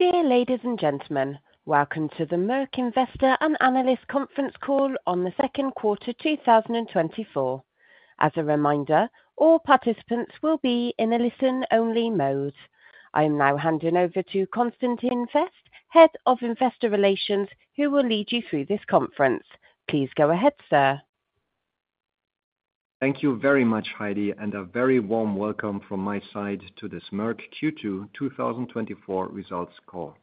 Dear ladies and gentlemen, welcome to the Merck Investor and Analyst Conference Call on the Q2 2024. As a reminder, all participants will be in a listen-only mode. I am now handing over to Constantin Fest, Head of Investor Relations, who will lead you through this conference. Please go ahead, sir. Thank you very much, Heidi, and a very warm welcome from my side to this Merck Q2 2024 results call.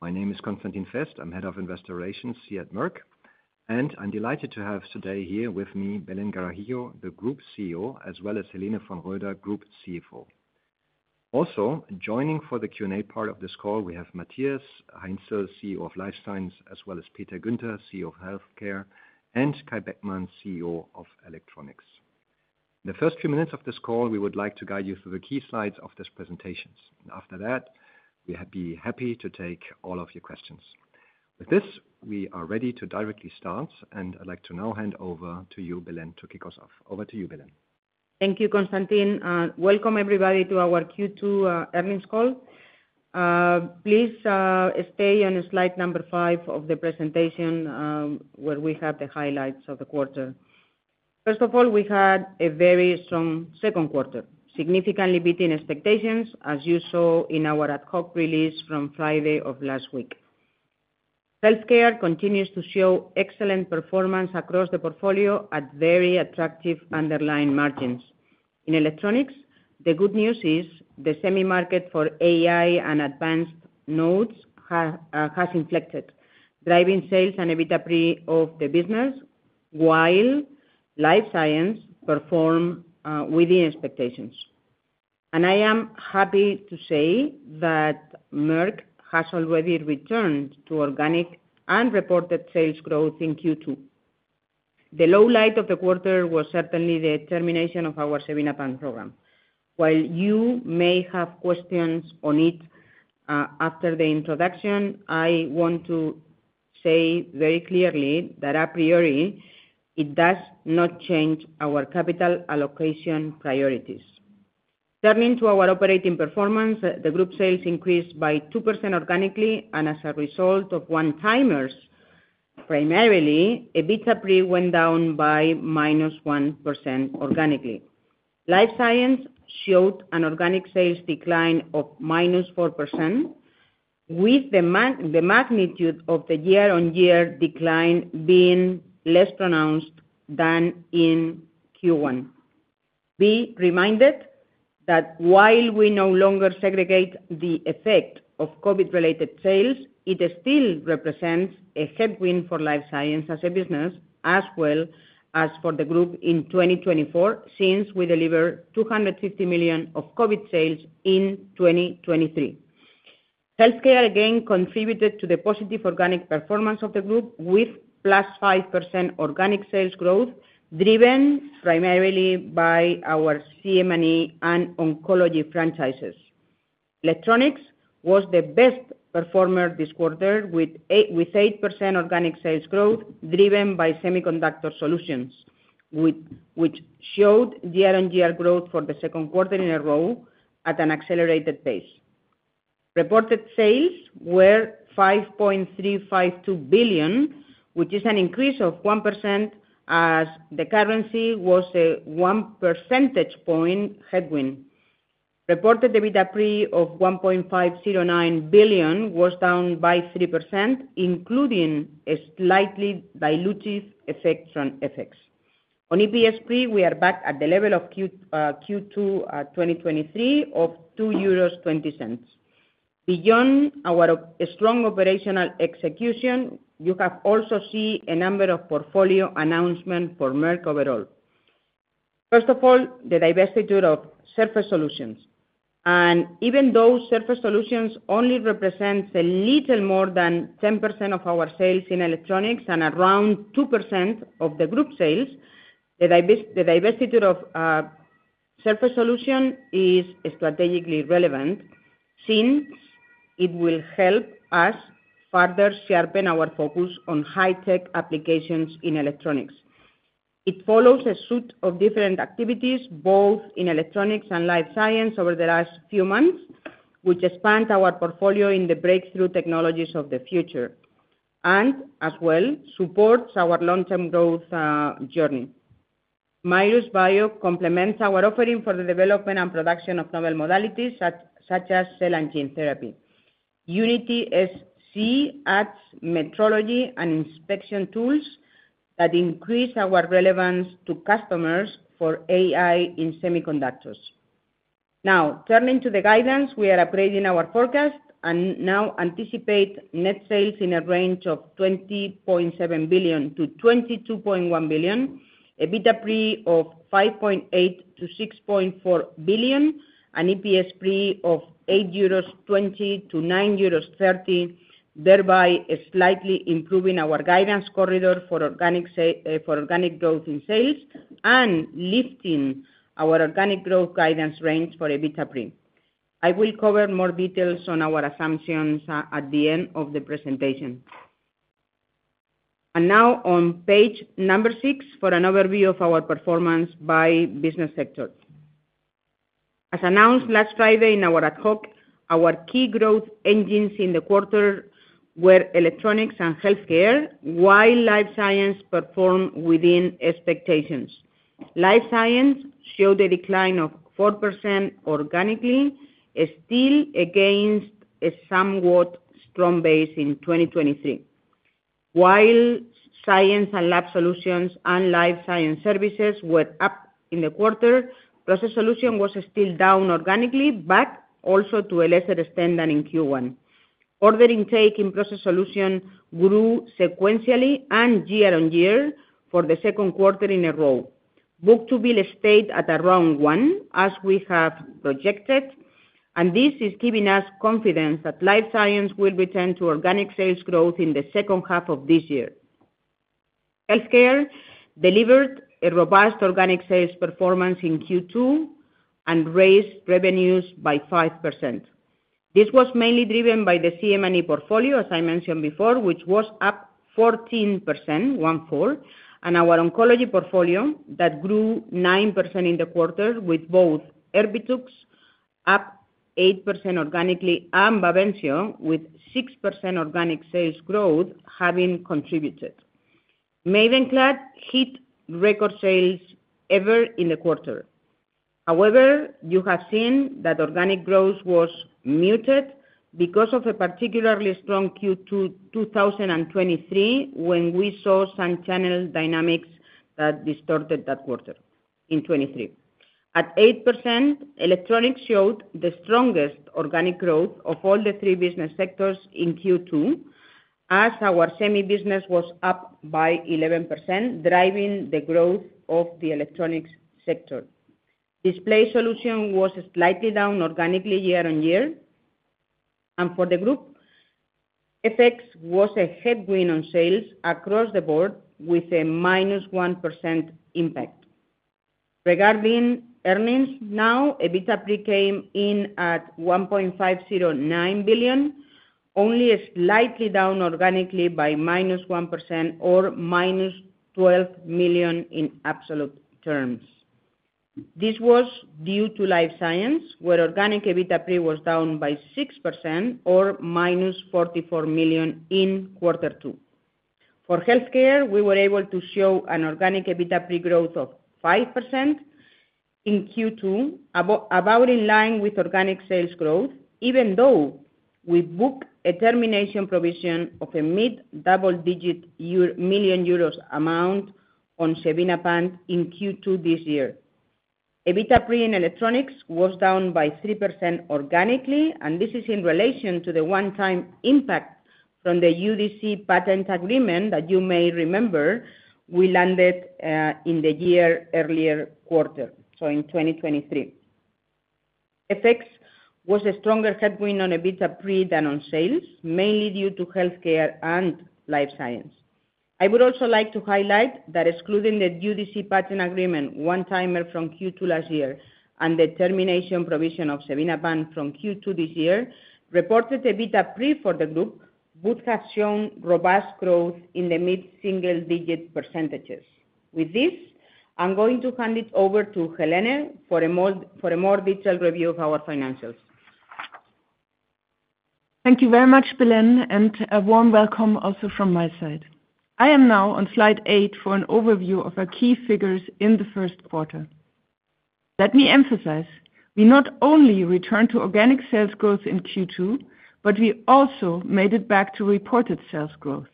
My name is Constantin Fest, I'm Head of Investor Relations here at Merck, and I'm delighted to have today here with me Belén Garijo, the Group CEO, as well as Helene von Roeder, Group CFO. Also joining for the Q&A part of this call, we have Matthias Heinzel, CEO Life Science, as well as Peter Guenter, CEO of Healthcare, and Kai Beckmann, CEO of Electronics. In the first few minutes of this call, we would like to guide you through the key slides of this presentation. After that, we'd be happy to take all of your questions. With this, we are ready to directly start, and I'd like to now hand over to you, Belén, to kick us off. Over to you, Belén. Thank you, Constantin. Welcome, everybody, to our Q2 earnings call. Please stay on slide number 5 of the presentation where we have the highlights of the quarter. First of all, we had a very strong Q2, significantly beating expectations, as you saw in our ad hoc release from Friday of last week. Healthcare continues to show excellent performance across the portfolio at very attractive underlying margins. In Electronics, the good news is the semi-market for AI and advanced nodes has inflected, driving sales and EBITDA of the business, Life Science performed within expectations. I am happy to say that Merck has already returned to organic and reported sales growth in Q2. The low light of the quarter was certainly the termination of our Xevinapant program. While you may have questions on it after the introduction, I want to say very clearly that a priori, it does not change our capital allocation priorities. Turning to our operating performance, the group sales increased by 2% organically, and as a result of one-timers, primarily, EBITDA went down by -1% Life Science showed an organic sales decline of -4%, with the magnitude of the year-on-year decline being less pronounced than in Q1. Be reminded that while we no longer segregate the effect of COVID-related sales, it still represents a headwind Life Science as a business, as well as for the group in 2024, since we delivered 250 million of COVID sales in 2023. Healthcare again contributed to the positive organic performance of the group, with +5% organic sales growth driven primarily by our CM&E and oncology franchises. Electronics was the best performer this quarter, with 8% organic sales growth driven by Semiconductor Solutions, which showed year-on-year growth for the Q2 in a row at an accelerated pace. Reported sales were 5.352 billion, which is an increase of 1%, as the currency was a one percentage point headwind. Reported EBITDA of 1.509 billion was down by 3%, including a slightly dilutive effect. On EPS, we are back at the level of Q2 2023 of €2.20. Beyond our strong operational execution, you have also seen a number of portfolio announcements for Merck overall. First of all, the divestiture of Surface Solutions. And even though Surface Solutions only represent a little more than 10% of our sales in Electronics and around 2% of the group sales, the divestiture of Surface Solutions is strategically relevant, since it will help us further sharpen our focus on high-tech applications in Electronics. It follows a suite of different activities, both in Electronics Life Science, over the last few months, which expand our portfolio in the breakthrough technologies of the future and, as well, supports our long-term growth journey. Mirus Bio complements our offering for the development and production of novel modalities such as cell and gene therapy. UnitySC adds metrology and inspection tools that increase our relevance to customers for AI in semiconductors. Now, turning to the guidance, we are upgrading our forecast and now anticipate net sales in a range of 20.7 billion-22.1 billion, EBITDA of 5.8 billion-6.4 billion, and EPS of €8.20-€9.30, thereby slightly improving our guidance corridor for organic growth in sales and lifting our organic growth guidance range for EBITDA. I will cover more details on our assumptions at the end of the presentation. Now, on page 6, for an overview of our performance by business sector. As announced last Friday in our ad hoc, our key growth engines in the quarter were Electronics and Healthcare, Life Science performed within Life Science showed a decline of 4% organically, still against a somewhat strong base in 2023. While Science & Lab Solutions Life Science services were up in the quarter, Process Solutions was still down organically, but also to a lesser extent than in Q1. Order intake in Process Solutions grew sequentially and year-on-year for the Q2 in a row. Book-to-Bill stayed at around one, as we have projected, and this is giving us confidence Life Science will return to organic sales growth in the second half of this year. Healthcare delivered a robust organic sales performance in Q2 and raised revenues by 5%. This was mainly driven by the CM&E portfolio, as I mentioned before, which was up 14%, and our oncology portfolio that grew 9% in the quarter, with both Erbitux up 8% organically and Bavencio with 6% organic sales growth having contributed. Mavenclad hit record sales ever in the quarter. However, you have seen that organic growth was muted because of a particularly strong Q2 2023 when we saw supply chain dynamics that distorted that quarter in 2023. At 8%, Electronics showed the strongest organic growth of all the three business sectors in Q2, as our semi-business was up by 11%, driving the growth of the Electronics sector. Display Solutions was slightly down organically year-on-year, and for the group, FX was a headwind on sales across the board with a minus 1% impact. Regarding earnings, now EBITDA came in at 1.509 billion, only slightly down organically by -1% or -12 million in absolute terms. This was due Life Science, where organic EBITDA was down by 6% or -44 million in quarter two. For Healthcare, we were able to show an organic EBITDA growth of 5% in Q2, about in line with organic sales growth, even though we booked a termination provision of a mid-double-digit million EUR amount on Bavencio in Q2 this year. EBITDA in Electronics was down by 3% organically, and this is in relation to the one-time impact from the UDC patent agreement that you may remember we landed in the year earlier quarter, so in 2023. FX was a stronger headwind on EBITDA than on sales, mainly due to Healthcare and Life Science. I would also like to highlight that excluding the UDC patent agreement, one-timer from Q2 last year, and the termination provision of Xevinapant from Q2 this year, reported EBITDA for the group would have shown robust growth in the mid-single-digit %. With this, I'm going to hand it over to Helene for a more detailed review of our financials. Thank you very much, Belén, and a warm welcome also from my side. I am now on slide 8 for an overview of our key figures in the Q1. Let me emphasize, we not only returned to organic sales growth in Q2, but we also made it back to reported sales growth.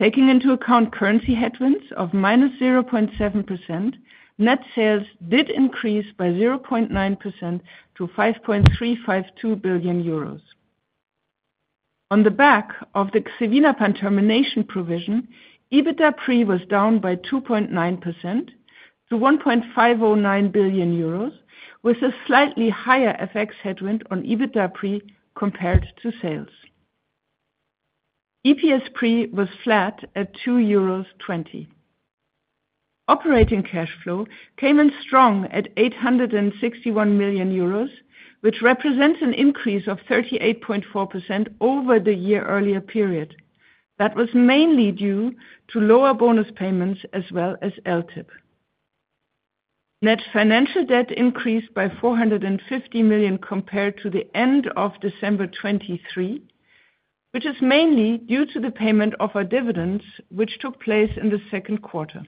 Taking into account currency headwinds of -0.7%, net sales did increase by 0.9% to 5.352 billion euros. On the back of the Xevinapant termination provision, EBITDA was down by 2.9% to 1.509 billion euros, with a slightly higher FX headwind on EBITDA compared to sales. EPS was flat at €2.20. Operating cash flow came in strong at €861 million, which represents an increase of 38.4% over the year earlier period. That was mainly due to lower bonus payments as well as LTIP. Net financial debt increased by 450 million compared to the end of December 2023, which is mainly due to the payment of our dividends, which took place in the Q2.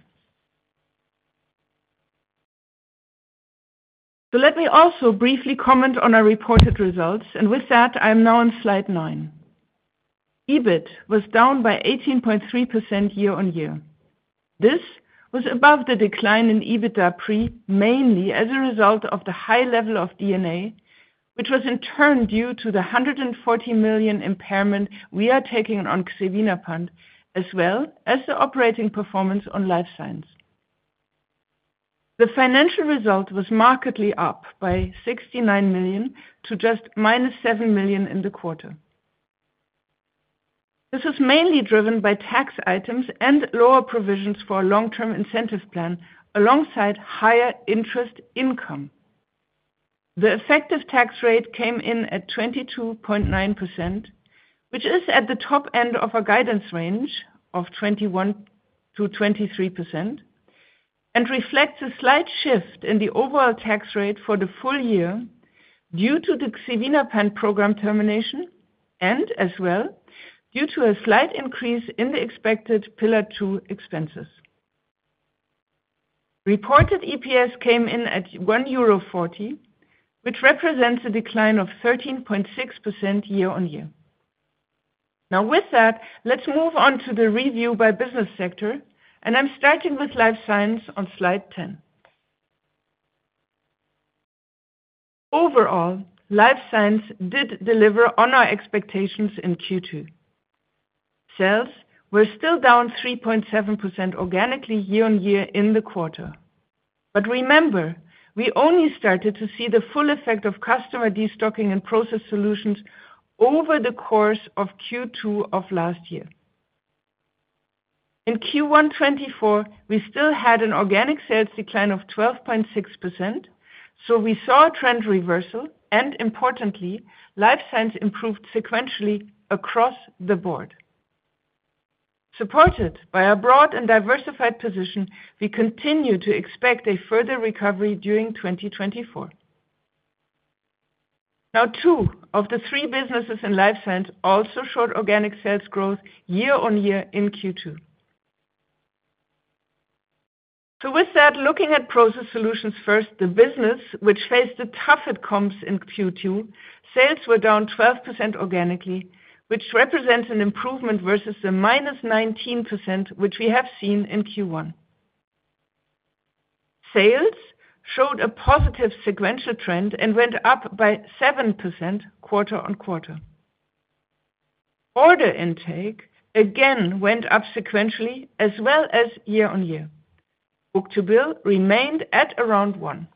So let me also briefly comment on our reported results, and with that, I am now on slide 9. EBIT was down by 18.3% year-on-year. This was above the decline in EBITDA mainly as a result of the high level of D&A, which was in turn due to the 140 million impairment we are taking on Xevinapant, as well as the operating performance Life Science. the financial result was markedly up by 69 million to just -7 million in the quarter. This was mainly driven by tax items and lower provisions for a long-term incentive plan alongside higher interest income. The effective tax rate came in at 22.9%, which is at the top end of our guidance range of 21%-23%, and reflects a slight shift in the overall tax rate for the full year due to the Xevinapant program termination and as well due to a slight increase in the expected Pillar Two expenses. Reported EPS came in at €1.40, which represents a decline of 13.6% year-on-year. Now, with that, let's move on to the review by business sector, and I'm starting Life Science on slide 10. Life Science did deliver on our expectations in Q2. Sales were still down 3.7% organically year-on-year in the quarter. Remember, we only started to see the full effect of customer destocking and Process Solutions over the course of Q2 of last year. In Q1 2024, we still had an organic sales decline of 12.6%, so we saw a trend reversal, and Life Science improved sequentially across the board. Supported by a broad and diversified position, we continue to expect a further recovery during 2024. Now, two of the three businesses Life Science also showed organic sales growth year-over-year in Q2. So with that, looking at Process Solutions first, the business which faced the toughest comps in Q2, sales were down 12% organically, which represents an improvement versus the minus 19% which we have seen in Q1. Sales showed a positive sequential trend and went up by 7% quarter-over-quarter. Order intake again went up sequentially as well as year-over-year. Book-to-Bill remained at around one.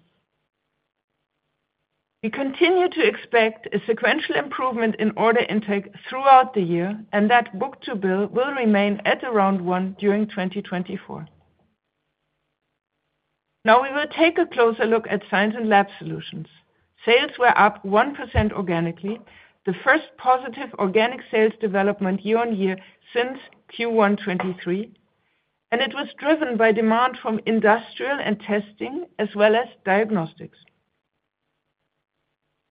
We continue to expect a sequential improvement in order intake throughout the year, and that Book-to-Bill will remain at around one during 2024. Now, we will take a closer look at Science and Lab Solutions. Sales were up 1% organically, the first positive organic sales development year-on-year since Q1 2023, and it was driven by demand from industrial and testing as well as diagnostics.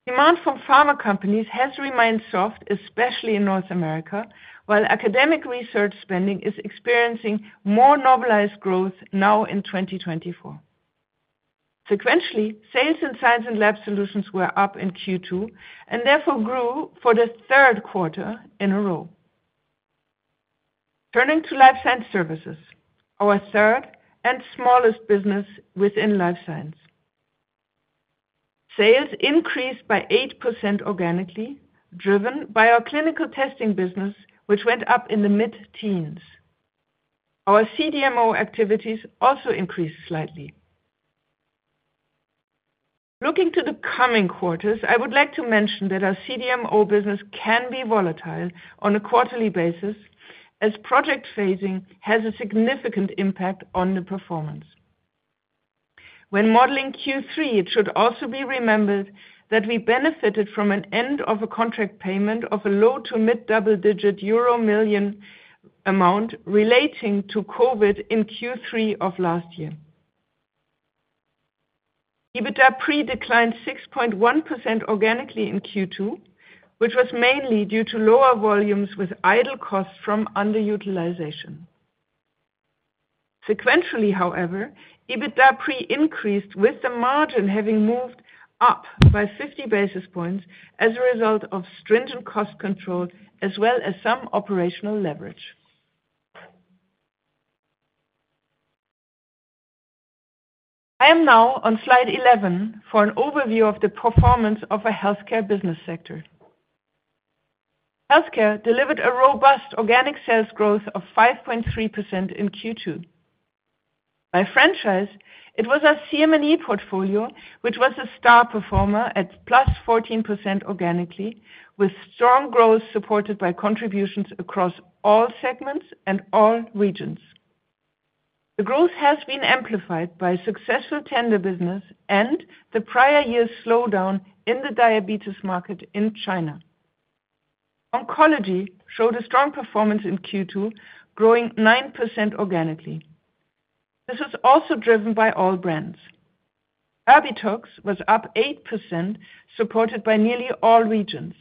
Demand from pharma companies has remained soft, especially in North America, while academic research spending is experiencing more normalized growth now in 2024. Sequentially, sales in Science and Lab Solutions were up in Q2 and therefore grew for the Q3 in a row. Turning Life Science services, our third and smallest business Life Science. sales increased by 8% organically, driven by our clinical testing business, which went up in the mid-teens. Our CDMO activities also increased slightly. Looking to the coming quarters, I would like to mention that our CDMO business can be volatile on a quarterly basis as project phasing has a significant impact on the performance. When modeling Q3, it should also be remembered that we benefited from an end-of-contract payment of a low- to mid-double-digit euro million amount relating to COVID in Q3 of last year. EBITDA declined 6.1% organically in Q2, which was mainly due to lower volumes with idle costs from underutilization. Sequentially, however, EBITDA increased with the margin having moved up by 50 basis points as a result of stringent cost control as well as some operational leverage. I am now on slide 11 for an overview of the performance of the Healthcare business sector. Healthcare delivered a robust organic sales growth of 5.3% in Q2. By franchise, it was our CM&E portfolio, which was a star performer at +14% organically, with strong growth supported by contributions across all segments and all regions. The growth has been amplified by successful tender business and the prior year's slowdown in the diabetes market in China. Oncology showed a strong performance in Q2, growing 9% organically. This was also driven by all brands. Erbitux was up 8%, supported by nearly all regions.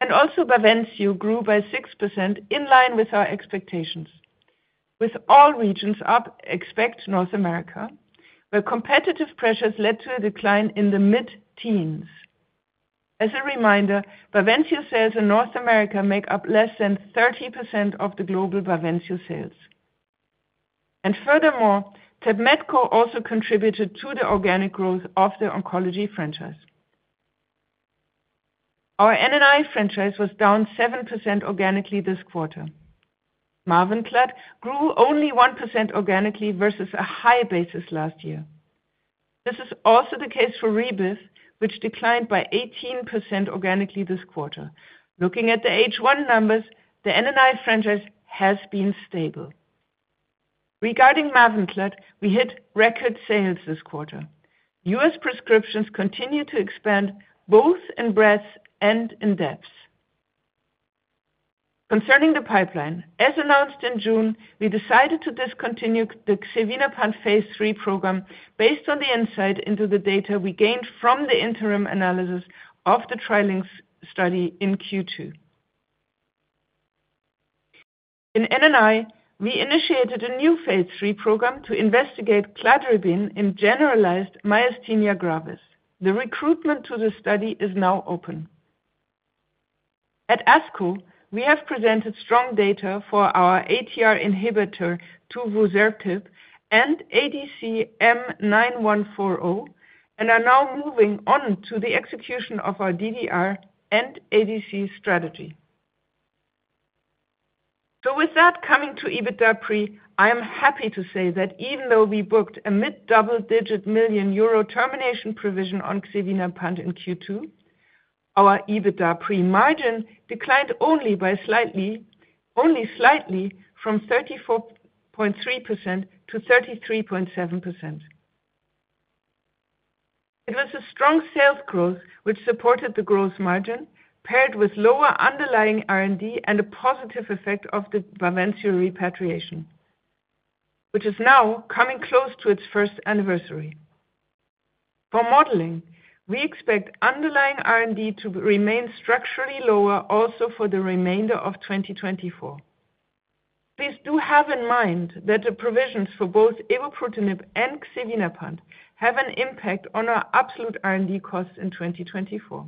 And also, Bavencio grew by 6% in line with our expectations, with all regions up, except North America, where competitive pressures led to a decline in the mid-teens. As a reminder, Bavencio sales in North America make up less than 30% of the global Bavencio sales. And furthermore, TEPMETKO also contributed to the organic growth of the oncology franchise. Our N&I franchise was down 7% organically this quarter. Mavenclad grew only 1% organically versus a high basis last year. This is also the case for Rebif, which declined by 18% organically this quarter. Looking at the H1 numbers, the N&I franchise has been stable. Regarding Mavenclad, we hit record sales this quarter. U.S. prescriptions continue to expand both in breadth and in depth. Concerning the pipeline, as announced in June, we decided to discontinue the Xevinapant phase 3 program based on the insight into the data we gained from the interim analysis of the trailing study in Q2. In N&I, we initiated a new phase 3 program to investigate Cladribine in Generalized Myasthenia Gravis. The recruitment to the study is now open. At ASCO, we have presented strong data for our ATR inhibitor Tuvusertib and ADC M9140 and are now moving on to the execution of our DDR and ADC strategy. So with that, coming to EBITDA pre, I am happy to say that even though we booked a mid-double-digit million EUR termination provision on Xevinapant in Q2, our EBITDA pre margin declined only slightly from 34.3% to 33.7%. It was a strong sales growth, which supported the gross margin, paired with lower underlying R&D and a positive effect of the Bavencio repatriation, which is now coming close to its first anniversary. For modeling, we expect underlying R&D to remain structurally lower also for the remainder of 2024. Please do have in mind that the provisions for both Evobrutinib and Xevinapant have an impact on our absolute R&D costs in 2024.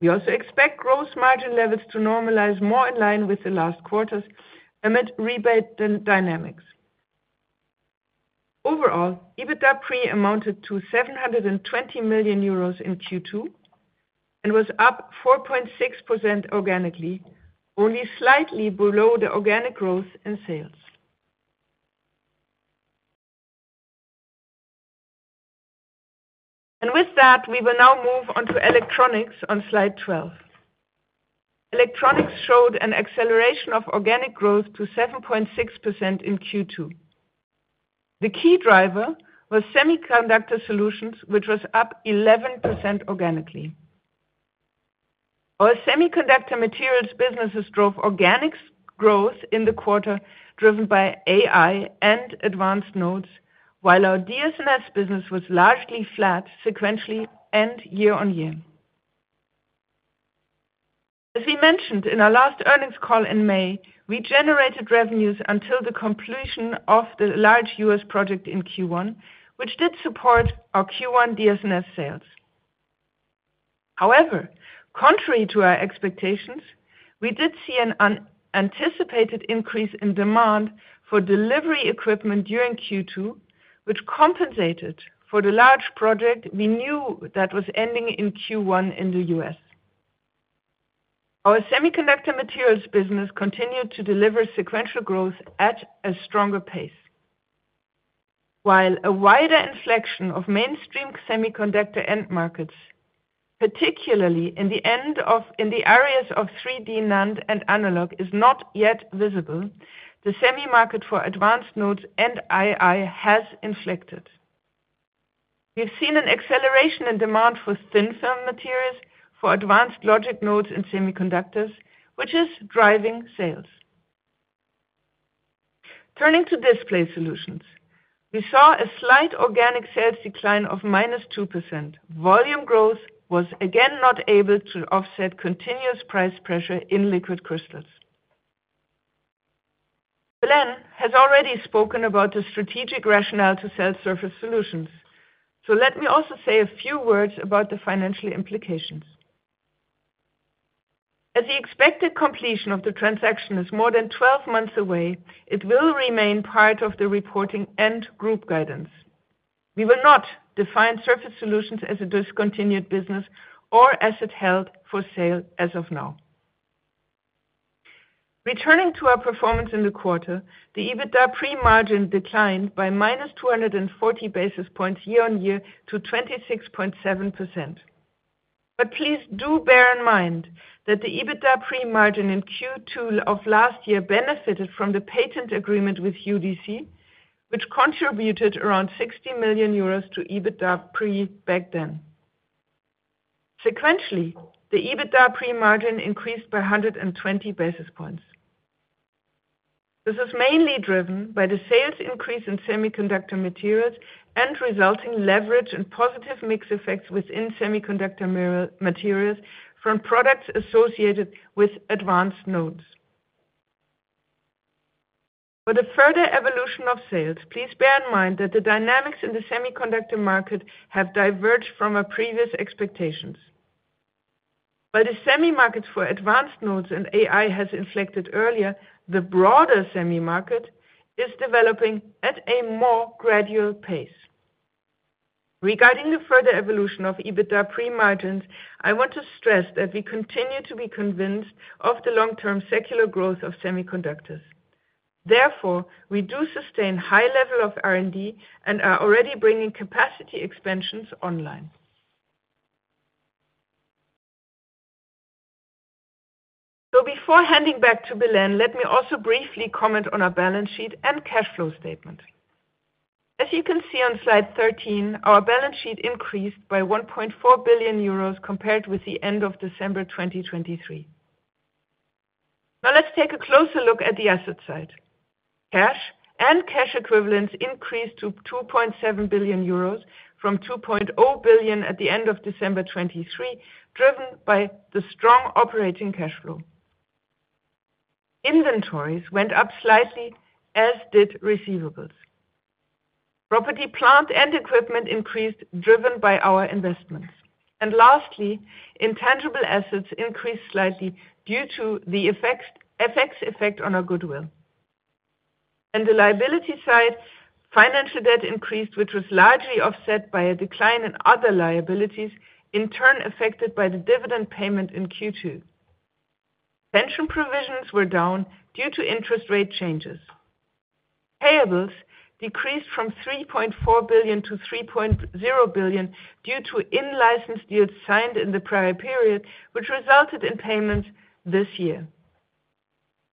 We also expect gross margin levels to normalize more in line with the last quarters amid rebate dynamics. Overall, EBITDA pre amounted to 720 million euros in Q2 and was up 4.6% organically, only slightly below the organic growth in sales. With that, we will now move on to Electronics on slide 12. Electronics showed an acceleration of organic growth to 7.6% in Q2. The key driver was Semiconductor Solutions, which was up 11% organically. Our semiconductor materials businesses drove organic growth in the quarter, driven by AI and advanced nodes, while our DS&S business was largely flat sequentially and year-on-year. As we mentioned in our last earnings call in May, we generated revenues until the completion of the large U.S. project in Q1, which did support our Q1 DS&S sales. However, contrary to our expectations, we did see an anticipated increase in demand for delivery equipment during Q2, which compensated for the large project we knew that was ending in Q1 in the U.S. Our semiconductor materials business continued to deliver sequential growth at a stronger pace, while a wider inflection of mainstream semiconductor end markets, particularly in the areas of 3D NAND and analog, is not yet visible. The semi market for advanced nodes and AI has inflected. We've seen an acceleration in demand for thin film materials for advanced logic nodes in semiconductors, which is driving sales. Turning to Display Solutions, we saw a slight organic sales decline of -2%. Volume growth was again not able to offset continuous price pressure in liquid crystals. Belén has already spoken about the strategic rationale to sell Surface Solutions. So let me also say a few words about the financial implications. As the expected completion of the transaction is more than 12 months away, it will remain part of the reporting and group guidance. We will not define Surface Solutions as a discontinued business or as held for sale as of now. Returning to our performance in the quarter, the EBITDA pre-margin declined by minus 240 basis points year-on-year to 26.7%. But please do bear in mind that the EBITDA pre-margin in Q2 of last year benefited from the patent agreement with UDC, which contributed around 60 million euros to EBITDA pre back then. Sequentially, the EBITDA pre-margin increased by 120 basis points. This is mainly driven by the sales increase in semiconductor materials and resulting leverage and positive mix effects within semiconductor materials from products associated with advanced nodes. For the further evolution of sales, please bear in mind that the dynamics in the semiconductor market have diverged from our previous expectations. While the semi markets for advanced nodes and AI has inflected earlier, the broader semi market is developing at a more gradual pace. Regarding the further evolution of EBITDA pre-margins, I want to stress that we continue to be convinced of the long-term secular growth of semiconductors. Therefore, we do sustain high level of R&D and are already bringing capacity expansions online. So before handing back to Belén, let me also briefly comment on our balance sheet and cash flow statement. As you can see on slide 13, our balance sheet increased by 1.4 billion euros compared with the end of December 2023. Now, let's take a closer look at the asset side. Cash and cash equivalents increased to 2.7 billion euros from 2.0 billion at the end of December 2023, driven by the strong operating cash flow. Inventories went up slightly, as did receivables. Property, plant and equipment increased, driven by our investments. Lastly, intangible assets increased slightly due to the effect on our goodwill. On the liability side, financial debt increased, which was largely offset by a decline in other liabilities, in turn affected by the dividend payment in Q2. Pension provisions were down due to interest rate changes. Payables decreased from 3.4 billion to 3.0 billion due to in-license deals signed in the prior period, which resulted in payments this year.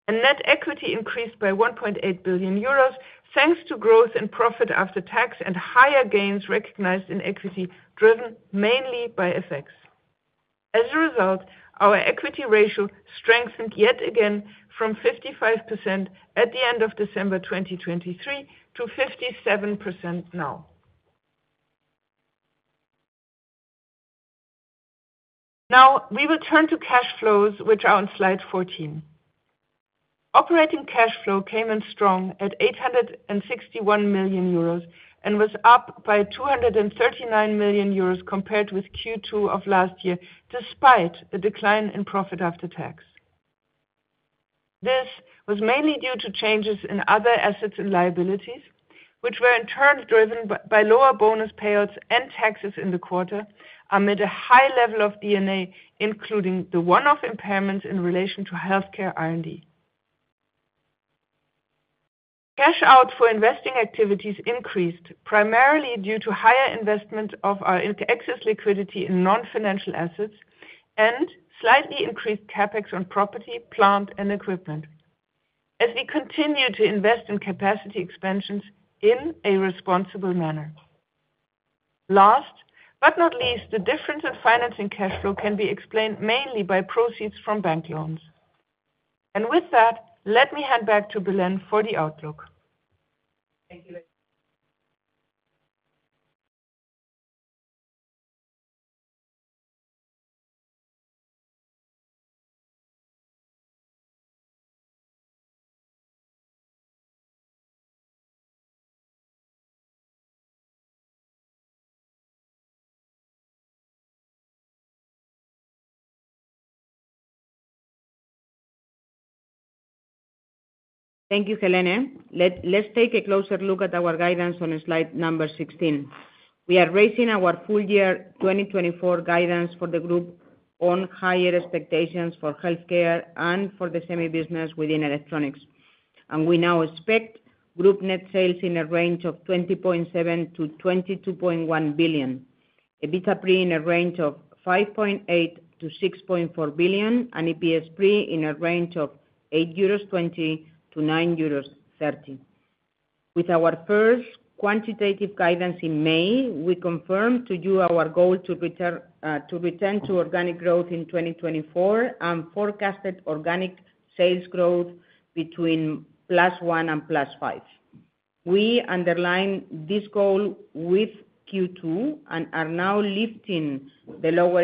Net equity increased by 1.8 billion euros, thanks to growth in profit after tax and higher gains recognized in equity, driven mainly by effects. As a result, our equity ratio strengthened yet again from 55% at the end of December 2023 to 57% now. Now, we will turn to cash flows, which are on slide 14. Operating cash flow came in strong at 861 million euros and was up by 239 million euros compared with Q2 of last year, despite a decline in profit after tax. This was mainly due to changes in other assets and liabilities, which were in turn driven by lower bonus payouts and taxes in the quarter amid a high level of D&A, including the one-off impairments in relation to Healthcare R&D. Cash out for investing activities increased primarily due to higher investment of our excess liquidity in non-financial assets and slightly increased CapEx on property, plant, and equipment, as we continue to invest in capacity expansions in a responsible manner. Last but not least, the difference in financing cash flow can be explained mainly by proceeds from bank loans. With that, let me hand back to Belén for the outlook. Thank you. Thank you, Helene. Let's take a closer look at our guidance on slide number 16. We are raising our full year 2024 guidance for the group on higher expectations for Healthcare and for the semi business within Electronics. We now expect group net sales in a range of 20.7 billion-22.1 billion, EBITDA pre in a range of 5.8 billion-6.4 billion, and EPS pre in a range of 8.20-9.30 euros. With our first quantitative guidance in May, we confirmed to you our goal to return to organic growth in 2024 and forecasted organic sales growth between +1% and +5%. We underline this goal with Q2 and are now lifting the lower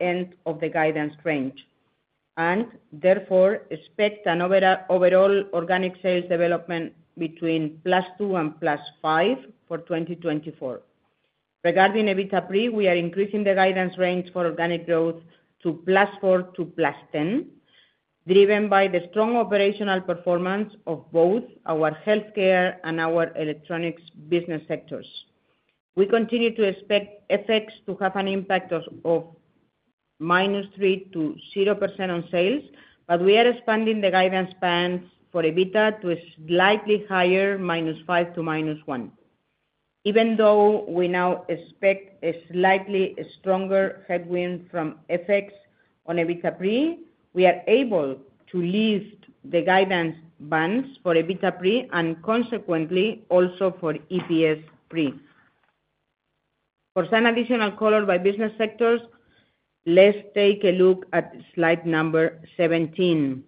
end of the guidance range and therefore expect an overall organic sales development between +2% and +5% for 2024. Regarding EBITDA pre, we are increasing the guidance range for organic growth to +4% to +10%, driven by the strong operational performance of both our Healthcare and our Electronics business sectors. We continue to expect effects to have an impact of -3% to 0% on sales, but we are expanding the guidance bands for EBITDA to a slightly higher -5% to -1%. Even though we now expect a slightly stronger headwind from effects on EBITDA pre, we are able to lift the guidance bands for EBITDA pre and consequently also for EPS pre. For some additional color by business sectors, let's take a look at slide 17.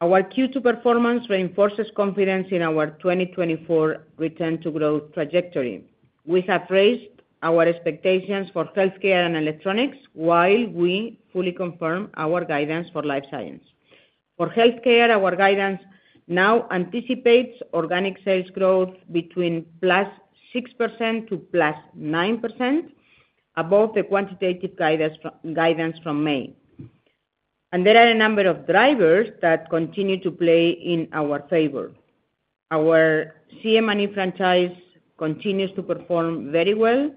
Our Q2 performance reinforces confidence in our 2024 return to growth trajectory. We have raised our expectations for Healthcare and Electronics while we fully confirm our guidance for Life Science. For Healthcare, our guidance now anticipates organic sales growth between +6% to +9% above the quantitative guidance from May. And there are a number of drivers that continue to play in our favor. Our CM&E franchise continues to perform very well.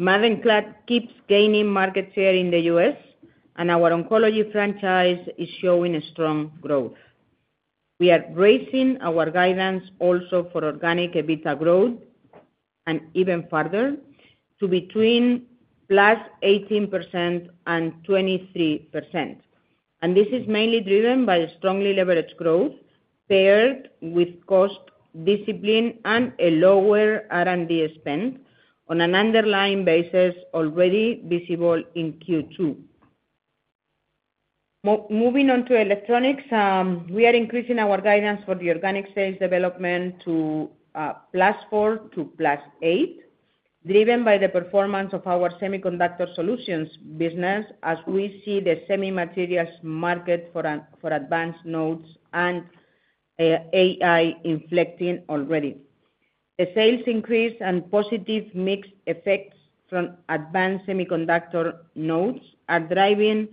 Mavenclad keeps gaining market share in the US, and our oncology franchise is showing strong growth. We are raising our guidance also for organic EBITDA growth and even further to between +18% and 23%. And this is mainly driven by strongly leveraged growth paired with cost discipline and a lower R&D spend on an underlying basis already visible in Q2. Moving on to Electronics, we are increasing our guidance for the organic sales development to +4 to +8, driven by the performance of our Semiconductor Solutions business, as we see the semi materials market for advanced nodes and AI inflecting already. The sales increase and positive mix effects from advanced semiconductor nodes are driving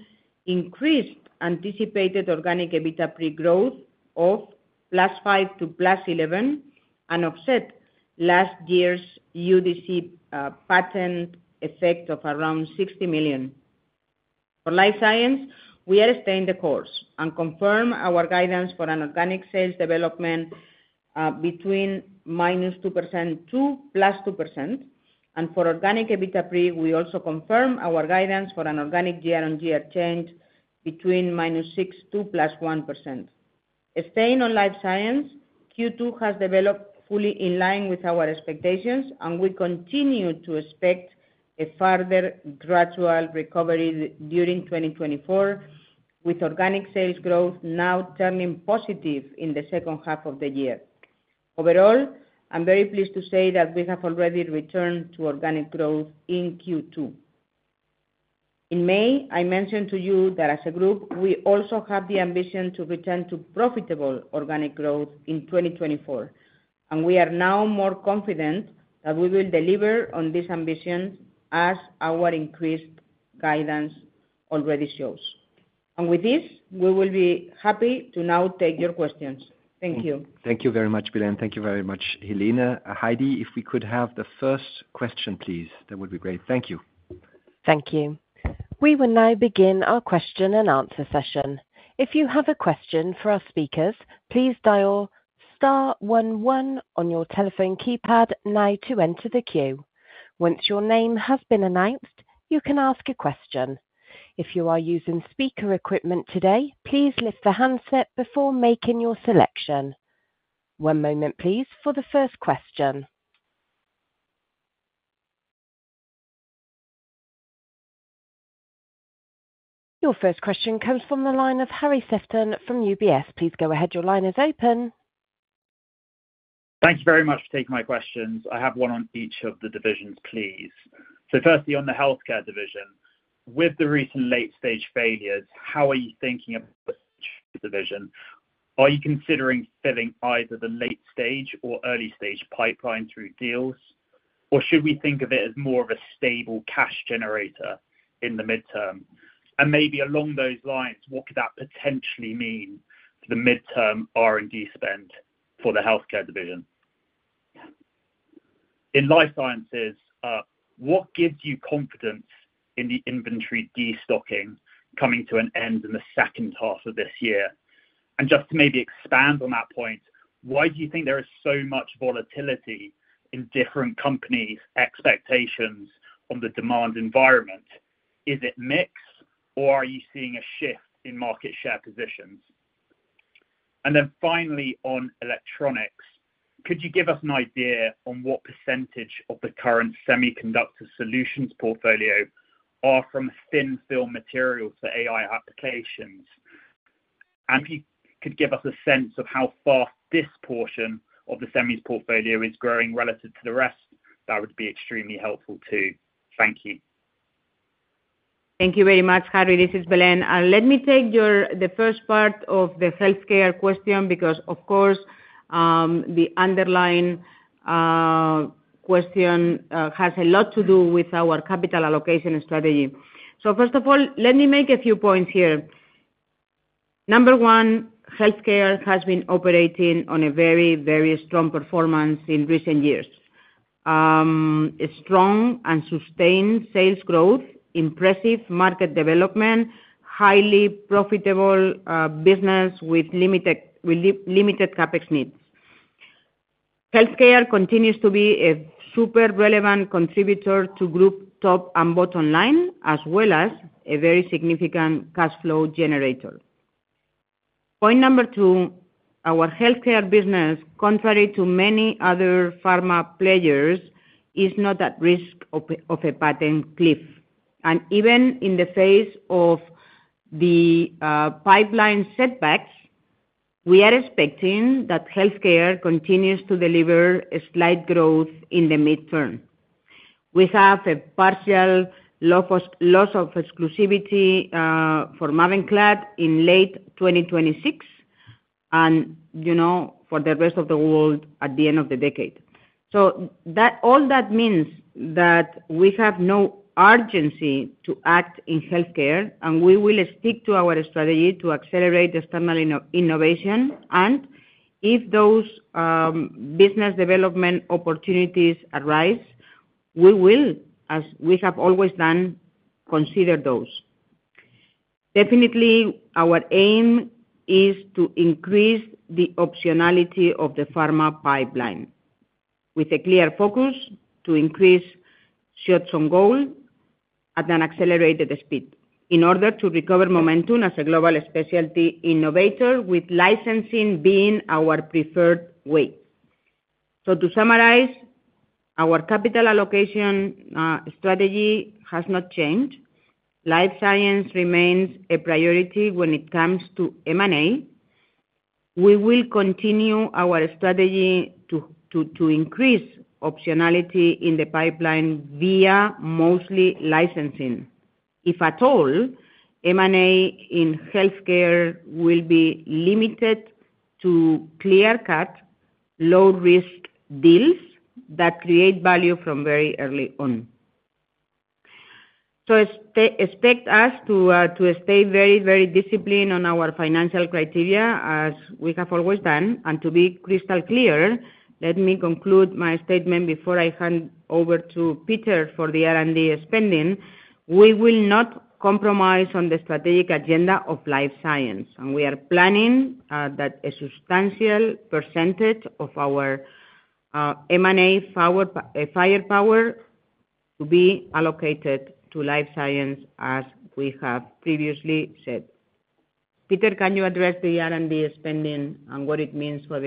increased anticipated organic EBITDA pre growth of +5% to +11% and offset last year's UDC patent effect of around 60 million. Life Science, we are staying the course and confirm our guidance for an organic sales development between -2% to +2%. For organic EBITDA pre, we also confirm our guidance for an organic year-on-year change between -6% to +1%. Staying Life Science, q2 has developed fully in line with our expectations, and we continue to expect a further gradual recovery during 2024, with organic sales growth now turning positive in the second half of the year. Overall, I'm very pleased to say that we have already returned to organic growth in Q2. In May, I mentioned to you that as a group, we also have the ambition to return to profitable organic growth in 2024. We are now more confident that we will deliver on this ambition, as our increased guidance already shows. With this, we will be happy to now take your questions. Thank you. Thank you very much, Belén. Thank you very much, Helene. Heidi, if we could have the first question, please, that would be great. Thank you. Thank you We will now begin our question and answer session. [Opertor's Instructions]. Your first question comes from the line of Harry Sephton from UBS. Please go ahead. Your line is open. Thank you very much for taking my questions. I have one on each of the divisions, please. So firstly, on the Healthcare division, with the recent late-stage failures, how are you thinking about the division? Are you considering filling either the late-stage or early-stage pipeline through deals, or should we think of it as more of a stable cash generator in the midterm? And maybe along those lines, what could that potentially mean for the midterm R&D spend for the Healthcare division? Life Sciences, what gives you confidence in the inventory destocking coming to an end in the second half of this year? And just to maybe expand on that point, why do you think there is so much volatility in different companies' expectations on the demand environment? Is it mixed, or are you seeing a shift in market share positions? And then finally, on Electronics, could you give us an idea on what percentage of the current Semiconductor Solutions portfolio are from thin film materials for AI applications? And if you could give us a sense of how fast this portion of the semi's portfolio is growing relative to the rest, that would be extremely helpful too. Thank you. Thank you very much, Harry. This is Belén. Let me take the first part of the Healthcare question because, of course, the underlying question has a lot to do with our capital allocation strategy. So first of all, let me make a few points here. Number one, Healthcare has been operating on a very, very strong performance in recent years. Strong and sustained sales growth, impressive market development, highly profitable business with limited CapEx needs. Healthcare continues to be a super relevant contributor to group top and bottom line, as well as a very significant cash flow generator. Point number two, our Healthcare business, contrary to many other pharma players, is not at risk of a patent cliff. Even in the face of the pipeline setbacks, we are expecting that Healthcare continues to deliver slight growth in the midterm. We have a partial loss of exclusivity for Mavenclad in late 2026 and for the rest of the world at the end of the decade. All that means that we have no urgency to act in Healthcare, and we will stick to our strategy to accelerate external innovation. If those business development opportunities arise, we will, as we have always done, consider those. Definitely, our aim is to increase the optionality of the pharma pipeline with a clear focus to increase shots on goal at an accelerated speed in order to recover momentum as a global specialty innovator, with licensing being our preferred way. To summarize, our capital allocation strategy has not Life Science remains a priority when it comes to M&A. We will continue our strategy to increase optionality in the pipeline via mostly licensing. If at all, M&A in Healthcare will be limited to clear-cut, low-risk deals that create value from very early on. So expect us to stay very, very disciplined on our financial criteria, as we have always done. And to be crystal clear, let me conclude my statement before I hand over to Peter for the R&D spending. We will not compromise on the strategic agenda Life Science. we are planning that a substantial percentage of our M&A firepower to be allocated Life Science, as we have previously said. Peter, can you address the R&D spending and what it means for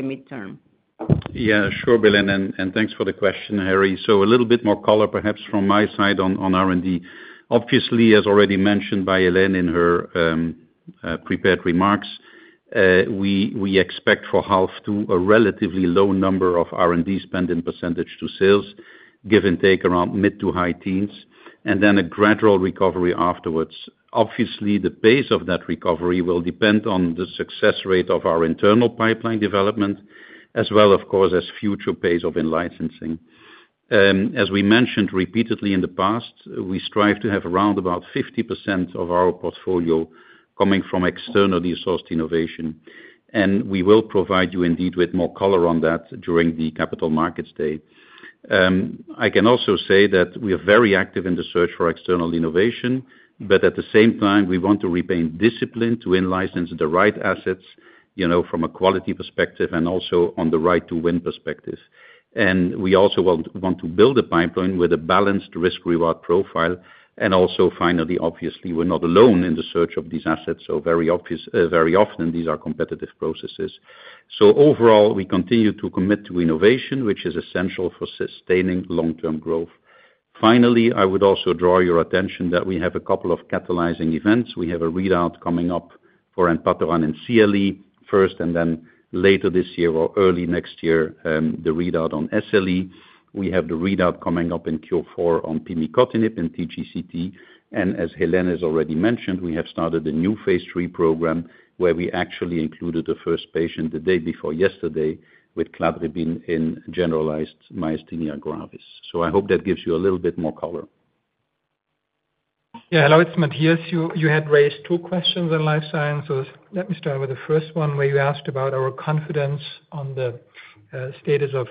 the midterm? Yeah, sure, Belén. And thanks for the question, Harry. So a little bit more color, perhaps, from my side on R&D. Obviously, as already mentioned by Helene in her prepared remarks, we expect for half to a relatively low number of R&D spending percentage to sales, give and take around mid- to high teens%, and then a gradual recovery afterwards. Obviously, the pace of that recovery will depend on the success rate of our internal pipeline development, as well, of course, as future pace of in-licensing. As we mentioned repeatedly in the past, we strive to have around about 50% of our portfolio coming from externally sourced innovation. And we will provide you, indeed, with more color on that during the Capital Markets Day. I can also say that we are very active in the search for external innovation, but at the same time, we want to remain disciplined to in-license the right assets from a quality perspective and also on the right-to-win perspective. And we also want to build a pipeline with a balanced risk-reward profile. And also, finally, obviously, we're not alone in the search of these assets. So very often, these are competitive processes. So overall, we continue to commit to innovation, which is essential for sustaining long-term growth. Finally, I would also draw your attention that we have a couple of catalyzing events. We have a readout coming up for Enpatoran and CLE first, and then later this year or early next year, the readout on SLE. We have the readout coming up in Q4 on Pimicotinib and TGCT. As Helene has already mentioned, we have started a new phase three program where we actually included the first patient the day before yesterday with Cladribine in generalized myasthenia gravis. So I hope that gives you a little bit more color. Yeah, hello, it's Matthias. You had raised two questions Life Sciences. let me start with the first one, where you asked about our confidence on the status of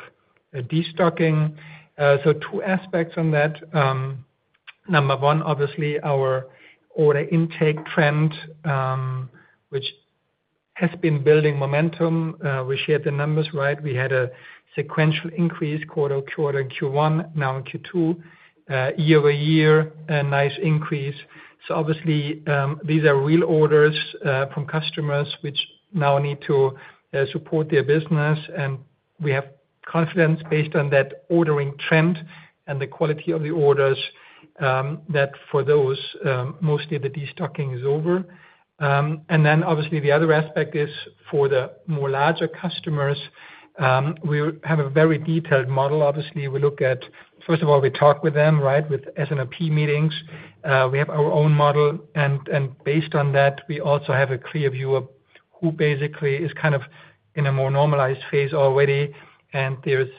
destocking. So two aspects on that. Number one, obviously, our order intake trend, which has been building momentum. We shared the numbers, right? We had a sequential increase quarter to quarter in Q1, now in Q2, year-over-year, a nice increase. So obviously, these are real orders from customers which now need to support their business. We have confidence based on that ordering trend and the quality of the orders that for those, mostly the destocking is over. Obviously, the other aspect is for the more larger customers. We have a very detailed model. Obviously, we look at, first of all, we talk with them, right, with S&OP meetings. We have our own model. And based on that, we also have a clear view of who basically is kind of in a more normalized phase already. And there's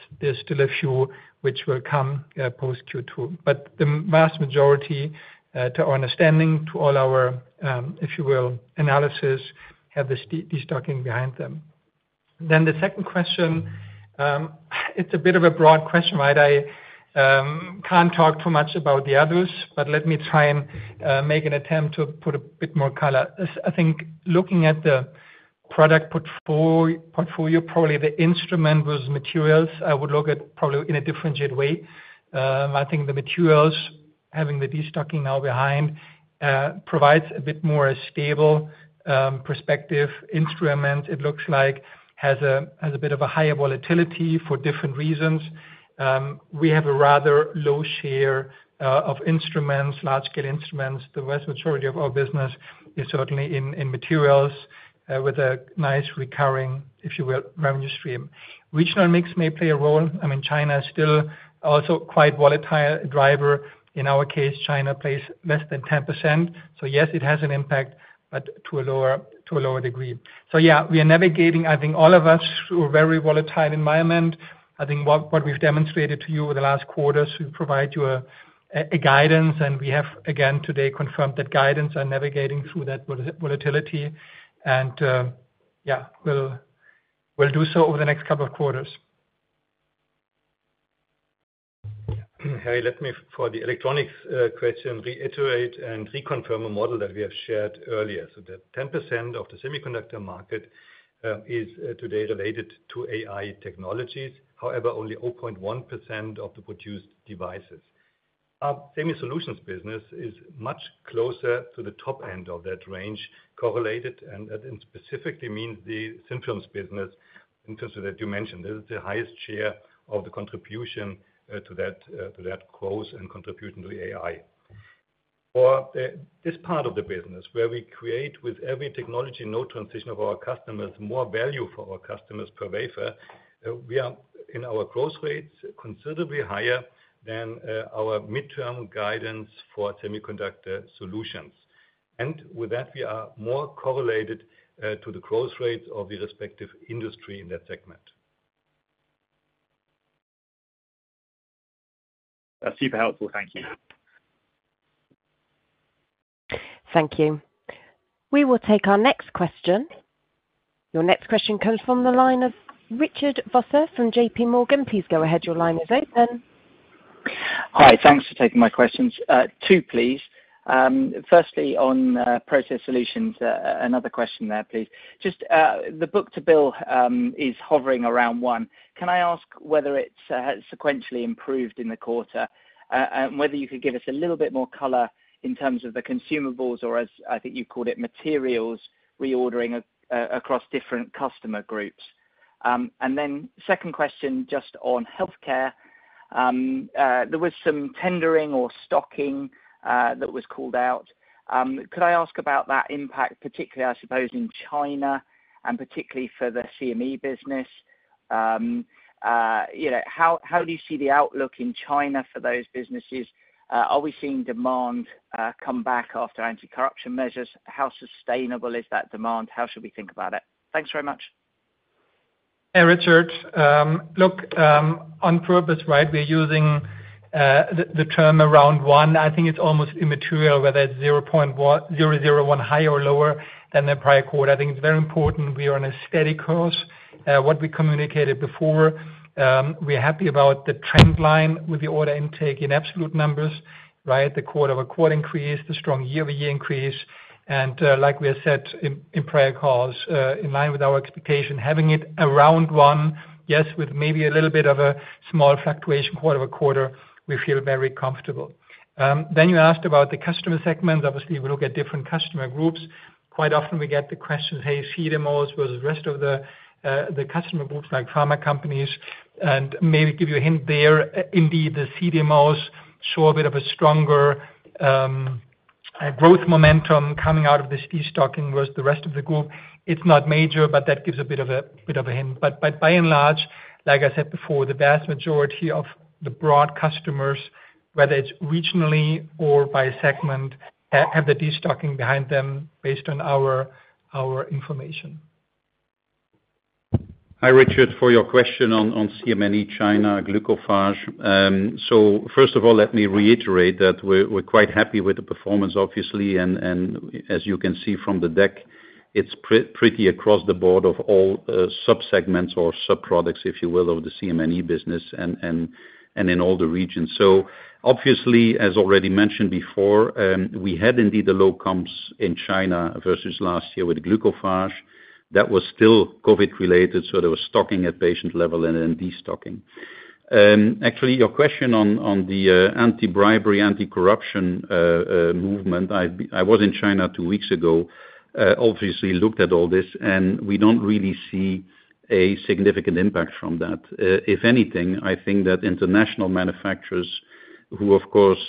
still a few which will come post Q2. But the vast majority, to our understanding, to all our, if you will, analysis, have the destocking behind them. Then the second question, it's a bit of a broad question, right? I can't talk too much about the others, but let me try and make an attempt to put a bit more color. Looking at the product portfolio, probably the instrument versus materials, I would look at probably in a differentiated way. The materials, having the destocking now behind, provides a bit more stable perspective. Instruments, it looks like, has a bit of a higher volatility for different reasons. We have a rather low share of instruments, large-scale instruments. The vast majority of our business is certainly in materials with a nice recurring, if you will, revenue stream. Regional mix may play a role. China is still also quite a volatile driver. In our case, China plays less than 10%. So yes, it has an impact, but to a lower degree. We are navigating, all of us through a very volatile environment. What we've demonstrated to you over the last quarters, we provide you a guidance. We have, again, today confirmed that guidance and navigating through that volatility. Yeah, we'll do so over the next couple of quarters. Harry, let me, for the Electronics question, reiterate and reconfirm a model that we have shared earlier. So the 10% of the semiconductor market is today related to AI technologies. However, only 0.1% of the produced devices. Semiconductor Solutions business is much closer to the top end of that range, correlated. And that specifically means the thin films business, in terms of that you mentioned, this is the highest share of the contribution to that growth and contribution to AI. For this part of the business, where we create with every technology node transition of our customers, more value for our customers per wafer, we are in our growth rates considerably higher than our mid-term guidance for Semiconductor Solutions. We are more correlated to the growth rates of the respective industry in that segment. That's super helpful. Thank you. Thank you. We will take our next question. Your next question comes from the line of Richard Vosser from JP Morgan. Please go ahead. Your line is open. Hi. Thanks for taking my questions. Two, please. Firstly, on Process Solutions, another question there, please. Just the book-to-bill is hovering around one. Can I ask whether it's sequentially improved in the quarter and whether you could give us a little bit more color in terms of the consumables or, as you called it, materials reordering across different customer groups? And then second question, just on Healthcare, there was some tendering or stocking that was called out. Could I ask about that impact, particularly, I suppose, in China and particularly for the CM&E business? How do you see the outlook in China for those businesses? Are we seeing demand come back after anti-corruption measures? How sustainable is that demand? How should we think about it? Thanks very much. On purpose, right, we're using the term around one. It's almost immaterial whether it's 0.001 higher or lower than the prior quarter. It's very important we are on a steady course. What we communicated before, we're happy about the trend line with the order intake in absolute numbers, right? The quarter-over-quarter increase, the strong year-over-year increase. And like we have said in prior calls, in line with our expectation, having it around one, yes, with maybe a little bit of a small fluctuation quarter-over-quarter, we feel very comfortable. Then you asked about the customer segments. Obviously, we look at different customer groups. Quite often, we get the questions, "Hey, CDMOs versus the rest of the customer groups like pharma companies?" Maybe give you a hint there. Indeed, the CDMOs show a bit of a stronger growth momentum coming out of this destocking versus the rest of the group. It's not major, but that gives a bit of a hint. By and large, like I said before, the vast majority of the broad customers, whether it's regionally or by segment, have the destocking behind them based on our information. Hi, Richard, for your question on CM&E China, Glucophage. So first of all, let me reiterate that we're quite happy with the performance, obviously. As you can see from the deck, it's pretty across the board of all subsegments or subproducts, if you will, of the CM&E business and in all the regions. Obviously, as already mentioned before, we had indeed the lowdown in China versus last year with Glucophage. That was still COVID-related. So there was stocking at patient level and then destocking. Actually, your question on the anti-bribery, anti-corruption movement, I was in China two weeks ago, obviously looked at all this, and we don't really see a significant impact from that. If anything, That international manufacturers who, of course,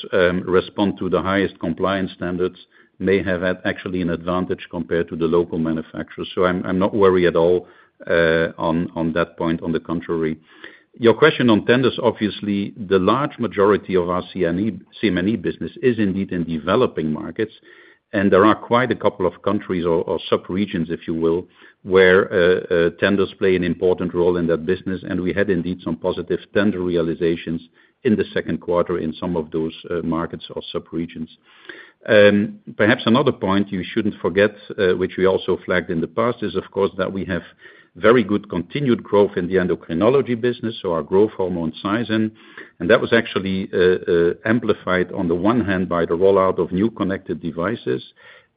respond to the highest compliance standards may have actually an advantage compared to the local manufacturers. So I'm not worried at all on that point, on the contrary. Your question on tenders, obviously, the large majority of our CM&E business is indeed in developing markets. And there are quite a couple of countries or subregions, if you will, where tenders play an important role in that business. We had indeed some positive tender realizations in the Q2 in some of those markets or subregions. Perhaps another point you shouldn't forget, which we also flagged in the past, is, of course, that we have very good continued growth in the endocrinology business, so our growth hormone Saizen. And that was actually amplified on the one hand by the rollout of new connected devices,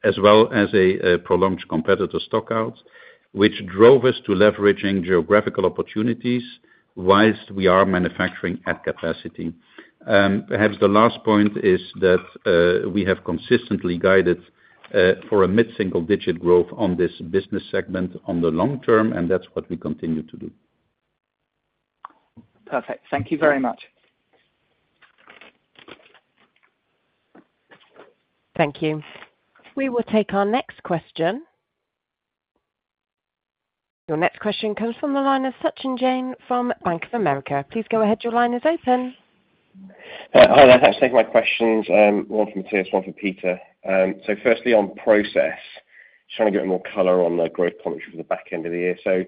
as well as a prolonged competitor stockout, which drove us to leveraging geographical opportunities while we are manufacturing at capacity. Perhaps the last point is that we have consistently guided for a mid-single-digit growth on this business segment on the long term, and that's what we continue to do. Perfect. Thank you very much. Thank you. We will take our next question. Your next question comes from the line of Sachin Jain from Bank of America. Please go ahead. Your line is open. One from Matthias, one from Peter. So firstly, on process, just trying to get more color on the growth commentary for the back end of the year. So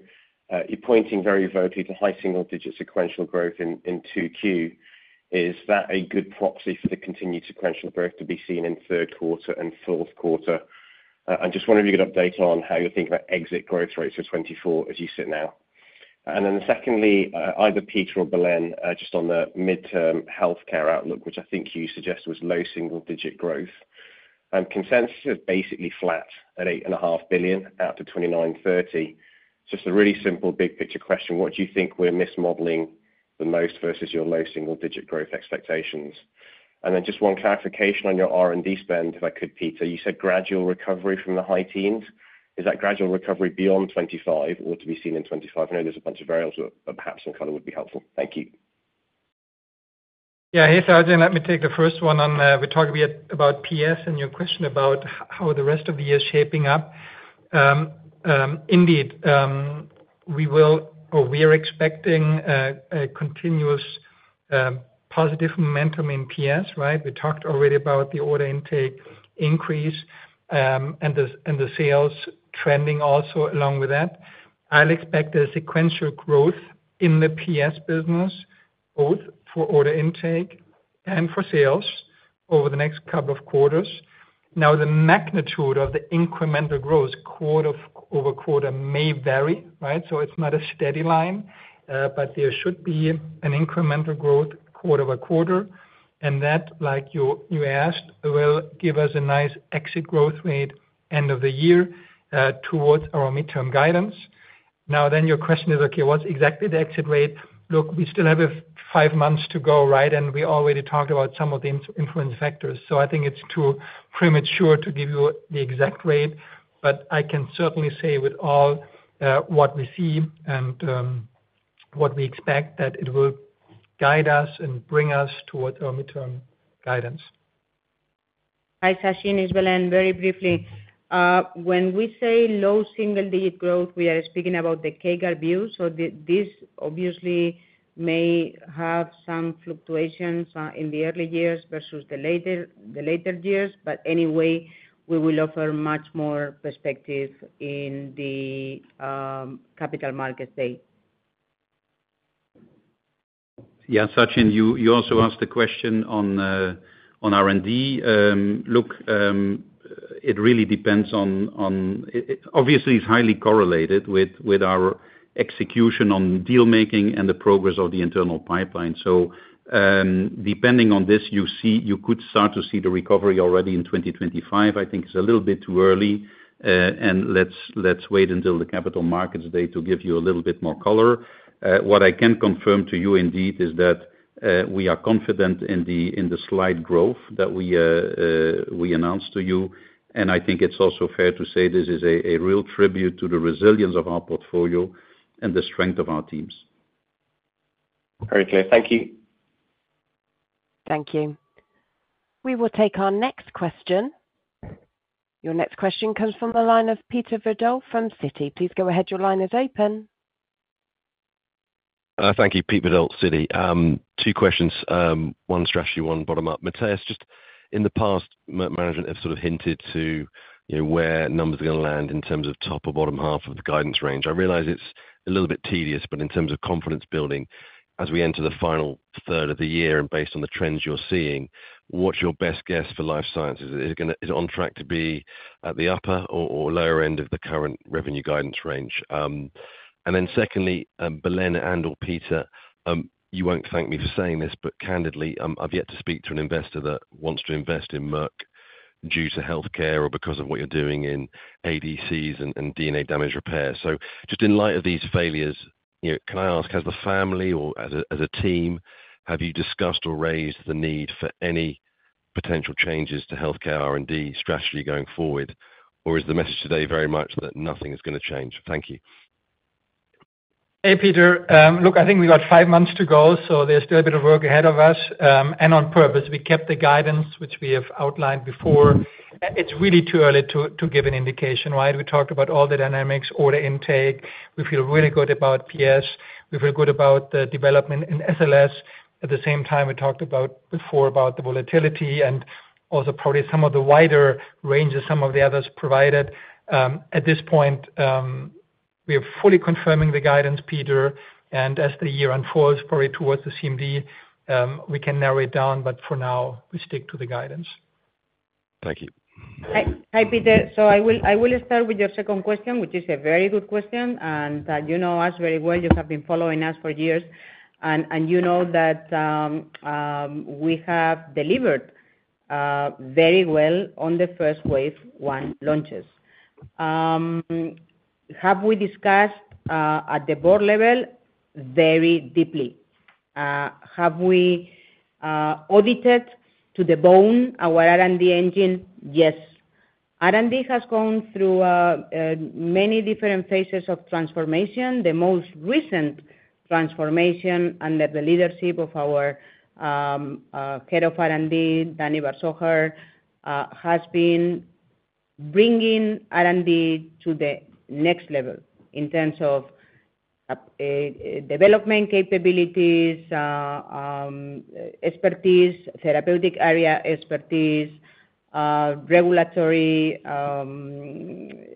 you're pointing very vaguely to high single-digit sequential growth in Q2. Is that a good proxy for the continued sequential growth to be seen in Q3 and Q4? And just wanted to get an update on how you're thinking about exit growth rates for 2024 as you sit now. And then secondly, either Peter or Belén, just on the midterm Healthcare outlook, which you suggest was low single-digit growth. Consensus is basically flat at 8.5 billion out to 2030. Just a really simple big-picture question. What do you think we're mismodeling the most versus your low single-digit growth expectations? And then just one clarification on your R&D spend, if I could, Peter. You said gradual recovery from the high teens. Is that gradual recovery beyond 2025 or to be seen in 2025? I know there's a bunch of variables, but perhaps some color would be helpful. Thank you. Sachin. Let me take the first one on. We talked a bit about PS and your question about how the rest of the year is shaping up. Indeed, we will or we're expecting a continuous positive momentum in PS, right? We talked already about the order intake increase and the sales trending also along with that. I'd expect a sequential growth in the PS business, both for order intake and for sales over the next couple of quarters. Now, the magnitude of the incremental growth quarter over quarter may vary, right? So it's not a steady line, but there should be an incremental growth quarter-over-quarter. It will give us a nice exit growth rate end of the year towards our mid-term guidance. Now, then your question is, okay, what's exactly the exit rate? Look, we still have five months to go, right? And we already talked about some of the influence factors. It's too premature to give you the exact rate. But I can certainly say with all what we see and what we expect that it will guide us and bring us towards our mid-term guidance. Hi, Sachin, it's Belén. Very briefly, when we say low single-digit growth, we are speaking about the CAGR view. So this obviously may have some fluctuations in the early years versus the later years. But anyway, we will offer much more perspective in the Capital Markets Day. Yeah. Sachin, you also asked a question on R&D. It really depends on obviously, it's highly correlated with our execution on dealmaking and the progress of the internal pipeline. So depending on this, you could start to see the recovery already in 2025. It's a little bit too early. Let's wait until the capital markets day to give you a little bit more color. What I can confirm to you indeed is that we are confident in the slight growth that we announced to you. It's also fair to say this is a real tribute to the resilience of our portfolio and the strength of our teams. Very clear. Thank you. Thank you. We will take our next question. Your next question comes from the line of Peter Verdult from Citi. Please go ahead. Your line is open. Thank you. Pete Verdult, Citi. Two questions. One strategy, one bottom-up. Matthias, just in the past, management have sort of hinted to where numbers are going to land in terms of top or bottom half of the guidance range. I realize it's a little bit tedious, but in terms of confidence building, as we enter the final third of the year and based on the trends you're seeing, what's your best guess Life Sciences? is it on track to be at the upper or lower end of the current revenue guidance range? Secondly, Belén and or Peter, you won't thank me for saying this, but candidly, I've yet to speak to an investor that wants to invest in Merck due to Healthcare or because of what you're doing in ADCs and DNA damage repair. In light of these failures, can I ask, as a family or as a team, have you discussed or raised the need for any potential changes to Healthcare R&D strategy going forward? Or is the message today very much that nothing is going to change? Thank you. Hey, Peter. We've got five months to go. So there's still a bit of work ahead of us. And on purpose, we kept the guidance, which we have outlined before. It's really too early to give an indication, right? We talked about all the dynamics, order intake. We feel really good about PS. We feel good about the development in SLS. At the same time, we talked before about the volatility and also probably some of the wider ranges some of the others provided. At this point, we are fully confirming the guidance, Peter. And as the year unfolds, probably towards the CMD, we can narrow it down. But for now, we stick to the guidance. Thank you. Hi, Peter. So I will start with your second question, which is a very good question. And you know us very well. You have been following us for years. And you know that we have delivered very well on the first Wave 1 launches. Have we discussed at the board level very deeply? Have we audited to the bone our R&D engine? Yes. R&D has gone through many different phases of transformation. The most recent transformation under the leadership of our head of R&D, Danny Bar-Zohar, has been bringing R&D to the next level in terms of development capabilities, expertise, therapeutic area expertise, regulatory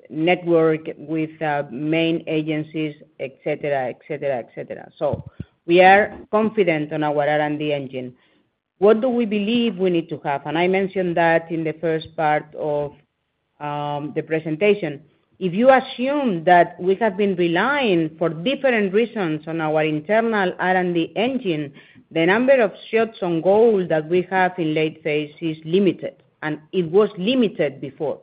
network with main agencies. We are confident on our R&D engine. What do we believe we need to have? And I mentioned that in the first part of the presentation. If you assume that we have been relying for different reasons on our internal R&D engine, the number of shots on goal that we have in late phase is limited. And it was limited before.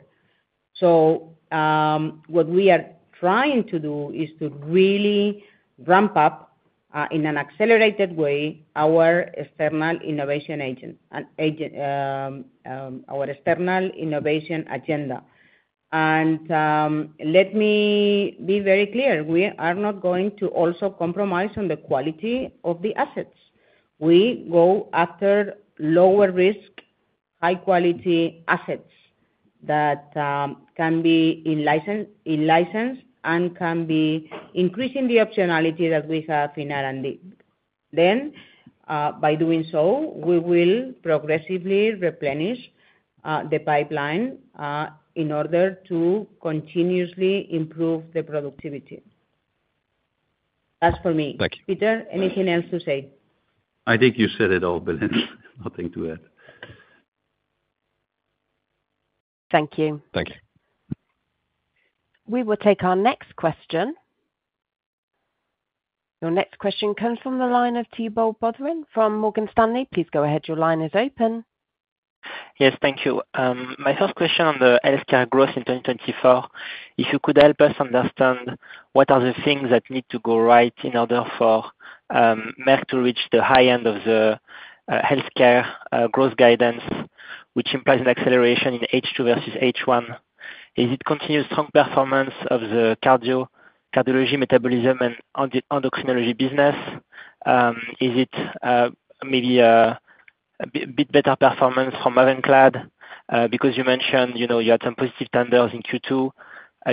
So what we are trying to do is to really ramp up in an accelerated way our external innovation agent, our external innovation agenda. And let me be very clear. We are not going to also compromise on the quality of the assets. We go after lower risk, high-quality assets that can be in license and can be increasing the optionality that we have in R&D. Then, by doing so, we will progressively replenish the pipeline in order to continuously improve the productivity. That's for me. Thank you. Peter, anything else to say? You said it all, Belén. Nothing to add. Thank you. We will take our next question. Your next question comes from the line of Thibault Boutherin from Morgan Stanley. Please go ahead. Your line is open. Yes. Thank you. My first question on the Healthcare growth in 2024, if you could help us understand what are the things that need to go right in order for Merck to reach the high end of the Healthcare growth guidance, which implies an acceleration in H2 versus H1? Is it continued strong performance of the cardiology, metabolism, and endocrinology business? Is it maybe a bit better performance from Mavenclad? Because you mentioned you had some positive tenders in Q2.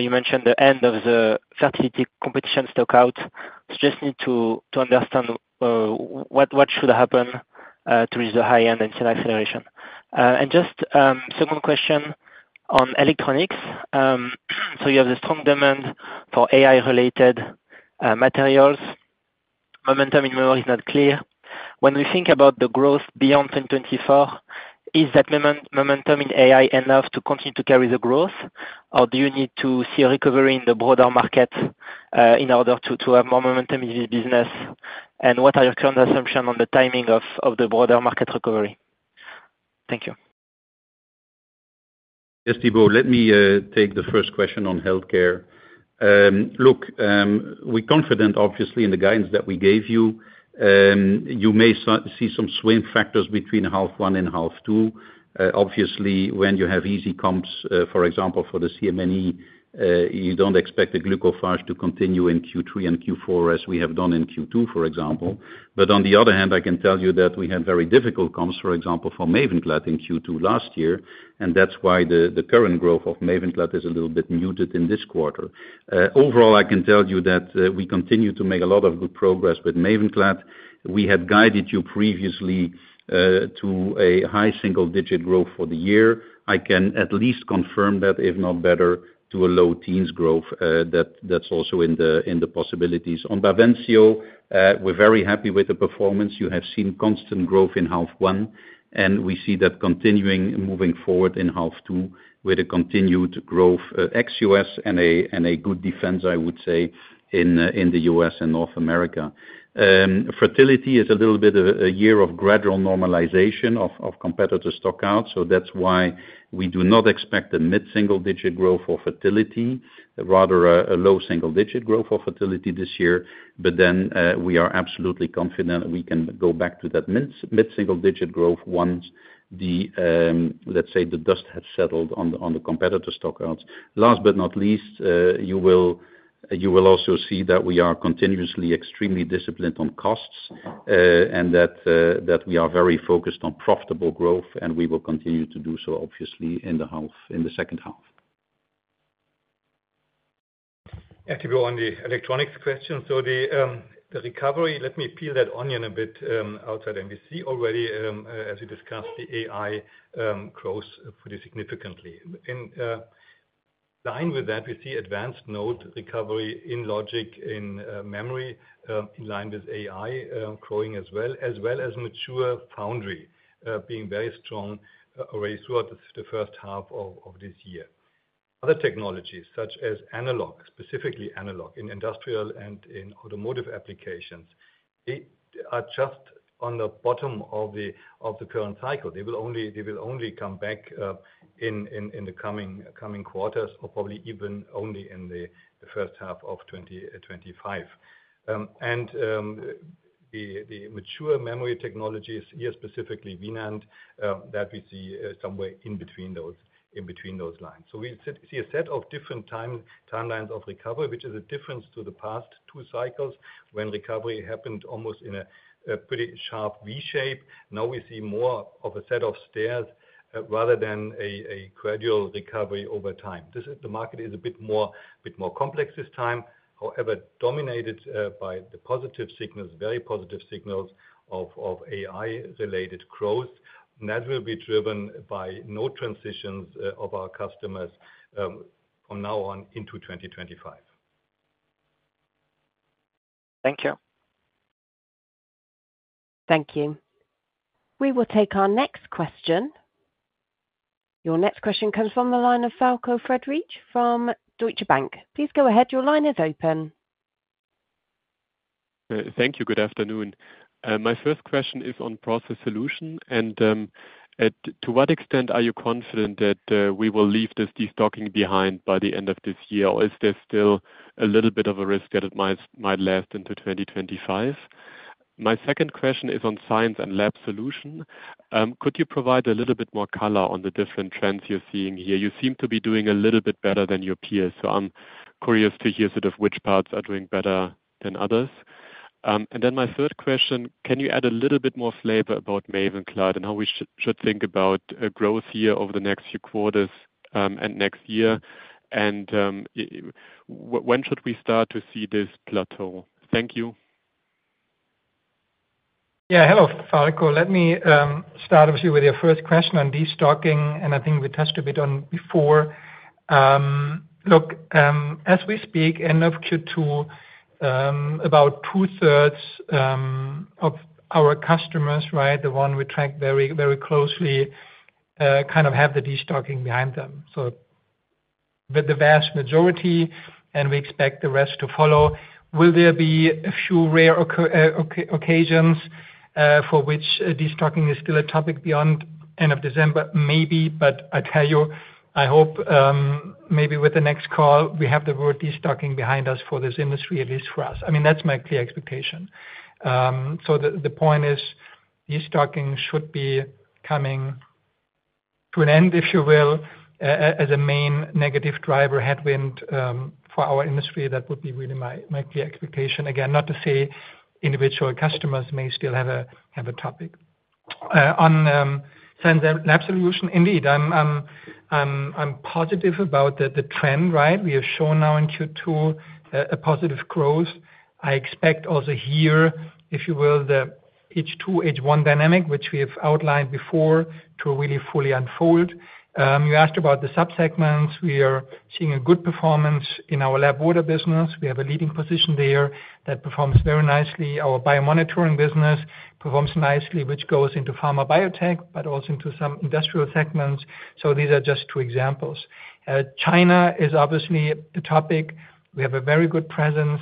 You mentioned the end of the fertility competition stockout. So just need to understand what should happen to reach the high end and see an acceleration. Second question on Electronics. You have the strong demand for AI-related materials. Momentum in memory is not clear. When we think about the growth beyond 2024, is that momentum in AI enough to continue to carry the growth? Or do you need to see a recovery in the broader market in order to have more momentum in this business? And what are your current assumptions on the timing of the broader market recovery? Thank you. Yes, Thibault, let me take the first question on Healthcare. Look, we're confident, obviously, in the guidance that we gave you. You may see some swing factors between half one and half two. Obviously, when you have easy comps, for example, for the CM&E, you don't expect the Glucophage to continue in Q3 and Q4 as we have done in Q2, for example. But on the other hand, I can tell you that we had very difficult comps, for example, for Mavenclad in Q2 last year. That's why the current growth of Mavenclad is a little bit muted in this quarter. Overall, I can tell you that we continue to make a lot of good progress with Mavenclad. We had guided you previously to a high single-digit growth for the year. I can at least confirm that, if not better, to a low teens growth. That's also in the possibilities. On Bavencio, we're very happy with the performance. You have seen constant growth in half one. And we see that continuing moving forward in half two with a continued growth ex-U.S. and a good defense, I would say, in the U.S. and North America. Fertility is a little bit a year of gradual normalization of competitor stockouts. .So that's why we do not expect a mid-single-digit growth for fertility, rather a low single-digit growth for fertility this year. But then we are absolutely confident we can go back to that mid-single-digit growth once, let's say, the dust has settled on the competitor stockouts. Last but not least, you will also see that we are continuously extremely disciplined on costs and that we are very focused on profitable growth. And we will continue to do so, obviously, in the second half. Yeah. Thibault, on the Electronics question. So the recovery, let me peel that onion a bit outside and we see already. As we discussed, the AI grows pretty significantly. In line with that, we see advanced node recovery in logic, in memory, in line with AI growing as well, as well as mature foundry being very strong already throughout the first half of this year. Other technologies, such as analog, specifically analog in industrial and in automotive applications, they are just on the bottom of the current cycle. They will only come back in the coming quarters or probably even only in the first half of 2025. The mature memory technologies, here specifically 3D NAND, that we see somewhere in between those lines. So we see a set of different timelines of recovery, which is a difference to the past two cycles when recovery happened almost in a pretty sharp V-shape. Now we see more of a set of stairs rather than a gradual recovery over time. The market is a bit more complex this time, however, dominated by the positive signals, very positive signals of AI-related growth. And that will be driven by node transitions of our customers from now on into 2025. Thank you. Thank you. We will take our next question. Your next question comes from the line of Falko Friedrichs from Deutsche Bank. Please go ahead. Your line is open. Thank you. Good afternoon. My first question is on Process Solutions. And to what extent are you confident that we will leave this destocking behind by the end of this year? Or is there still a little bit of a risk that it might last into 2025? My second question is on Science & Lab Solutions. Could you provide a little bit more color on the different trends you're seeing here? You seem to be doing a little bit better than your peers. So I'm curious to hear sort of which parts are doing better than others. And then my third question, can you add a little bit more flavor about Mavenclad and how we should think about growth here over the next few quarters and next year? And when should we start to see this plateau? Thank you. Yeah. Hello, Falko. Let me start with you with your first question on destocking. We touched a bit on before. Look, as we speak, end of Q2, about two-thirds of our customers, right, the one we track very closely, kind of have the destocking behind them. So the vast majority, and we expect the rest to follow. Will there be a few rare occasions for which destocking is still a topic beyond end of December? Maybe. But I tell you, I hope maybe with the next call, we have the word destocking behind us for this industry, at least for us.hat's my clear expectation. So the point is destocking should be coming to an end, if you will, as a main negative driver headwind for our industry. That would be really my clear expectation. Again, not to say individual customers may still have a topic. On Science & Lab Solutions, indeed, I'm positive about the trend, right? We have shown now in Q2 a positive growth. I expect also here, if you will, the H2, H1 dynamic, which we have outlined before, to really fully unfold. You asked about the subsegments. We are seeing a good performance in our lab water business. We have a leading position there that performs very nicely. Our biomonitoring business performs nicely, which goes into pharma biotech, but also into some industrial segments. These are just two examples. China is obviously a topic. We have a very good presence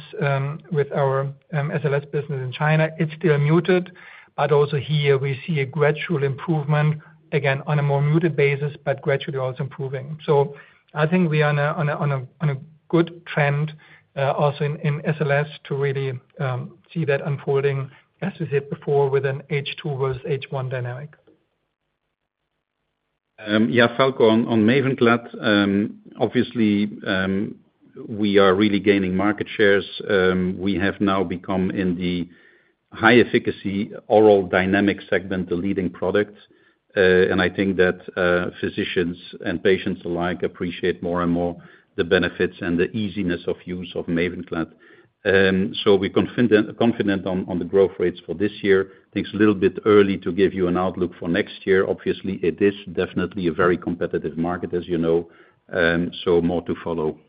with our SLS business in China. It's still muted. We see a gradual improvement, again, on a more muted basis, but gradually also improving. We are on a good trend also in SLS to really see that unfolding, as we said before, with an H2 versus H1 dynamic. Yeah. Falko, on Mavenclad, obviously, we are really gaining market shares. We have now become, in the high-efficacy oral dynamic segment, the leading product. That physicians and patients alike appreciate more and more the benefits and the easiness of use of Mavenclad. So we're confident on the growth rates for this year. It's a little bit early to give you an outlook for next year. Obviously, it is definitely a very competitive market, as you know. So more to follow.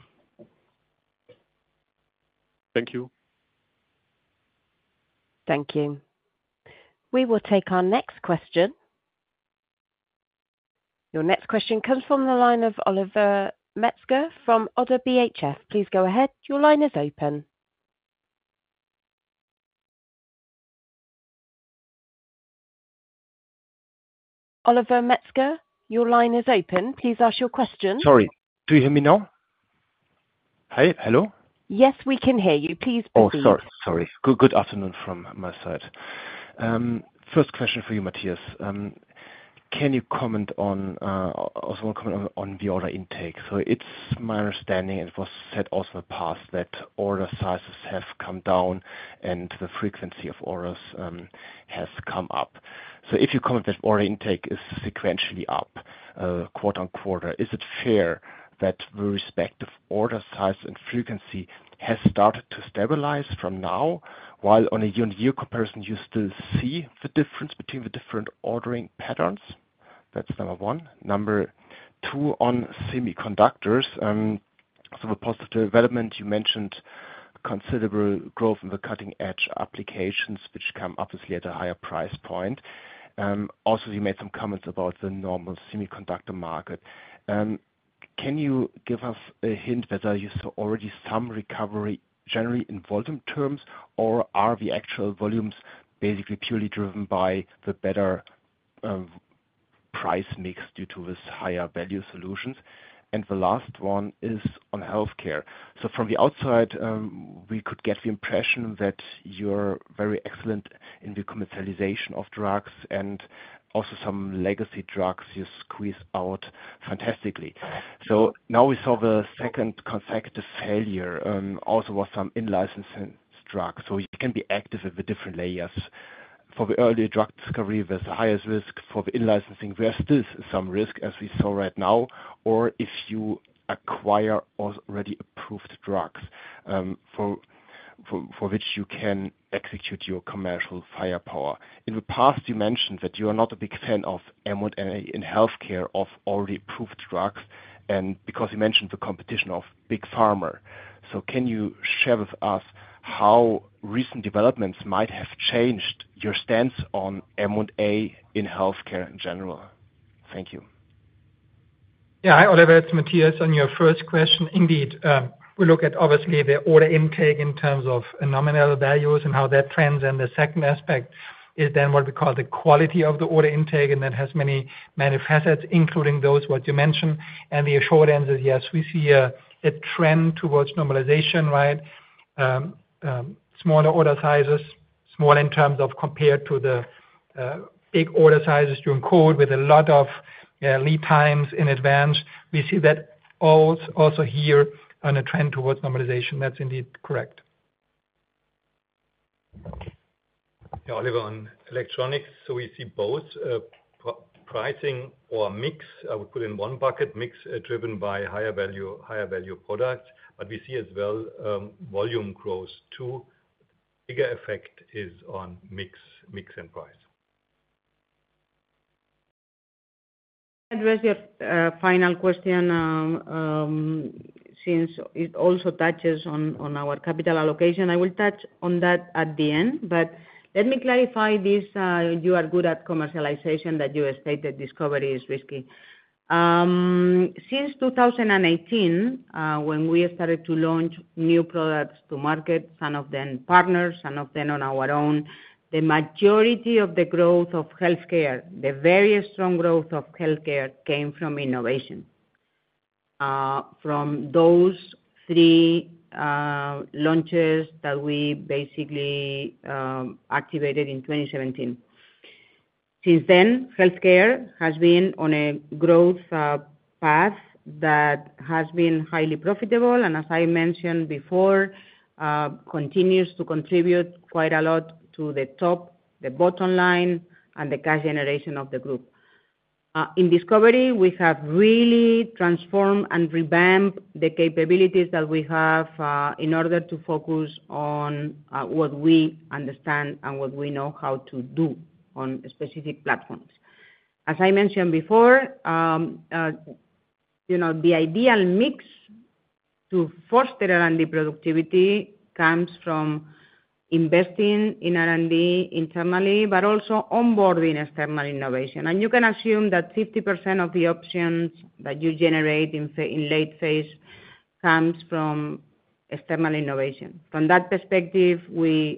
Thank you. Thank you. We will take our next question. Your next question comes from the line of Oliver Metzger from Oddo BHF. Please go ahead. Your line is open. Oliver Metzger, your line is open. Please ask your question. Sorry. Do you hear me now? Hello? Yes, we can hear you. Please begin. Oh, sorry. Sorry. Good afternoon from my side. First question for you, Matthias. Can you comment on the order intake? So it's my understanding, and it was said also in the past that order sizes have come down and the frequency of orders has come up. So if you comment that order intake is sequentially up quarter-over-quarter, is it fair that with respect to order size and frequency has started to stabilize from now, while on a year-on-year comparison, you still see the difference between the different ordering patterns? That's number one. Number two, on semiconductors, so with positive development, you mentioned considerable growth in the cutting-edge applications, which come obviously at a higher price point. Also, you made some comments about the normal semiconductor market. Can you give us a hint whether you saw already some recovery generally in volume terms, or are the actual volumes basically purely driven by the better price mix due to these higher-value solutions? Last one is on Healthcare. So from the outside, we could get the impression that you're very excellent in the commercialization of drugs and also some legacy drugs you squeeze out fantastically. So now we saw the second consecutive failure also was some in-licensing drugs. So you can be active with the different layers. For the early drug discovery, there's the highest risk. For the in-licensing, there's still some risk, as we saw right now, or if you acquire already approved drugs for which you can execute your commercial firepower. In the past, you mentioned that you are not a big fan of M&A in Healthcare of already approved drugs because you mentioned the competition of big pharma. So can you share with us how recent developments might have changed your stance on M&A in Healthcare in general? Thank you. Yeah. Hi, Oliver. It's Matthias. On your first question, indeed, we look at obviously the order intake in terms of nominal values and how that trends. And the second aspect is then what we call the quality of the order intake. And that has many manifestations, including those what you mentioned. And the short answer is yes, we see a trend towards normalization, right? Smaller order sizes, smaller in terms of compared to the big order sizes you encountered with a lot of lead times in advance. We see that also here, on a trend towards normalization. That's indeed correct. Yeah. Oliver, on Electronics, so we see both pricing or mix. I would put in one bucket, mix driven by higher-value products. But we see as well volume growth too. Bigger effect is on mix and price. Address your final question since it also touches on our capital allocation. I will touch on that at the end. But let me clarify this. You are good at commercialization that you stated discovery is risky. Since 2018, when we started to launch new products to market, some of them partners, some of them on our own, the majority of the growth of Healthcare, the very strong growth of Healthcare came from innovation, from those three launches that we basically activated in 2017. Since then, Healthcare has been on a growth path that has been highly profitable. As I mentioned before, it continues to contribute quite a lot to the top, the bottom line, and the cash generation of the group. In discovery, we have really transformed and revamped the capabilities that we have in order to focus on what we understand and what we know how to do on specific platforms. As I mentioned before, the ideal mix to foster R&D productivity comes from investing in R&D internally, but also onboarding external innovation. You can assume that 50% of the options that you generate in late phase comes from external innovation. From that perspective,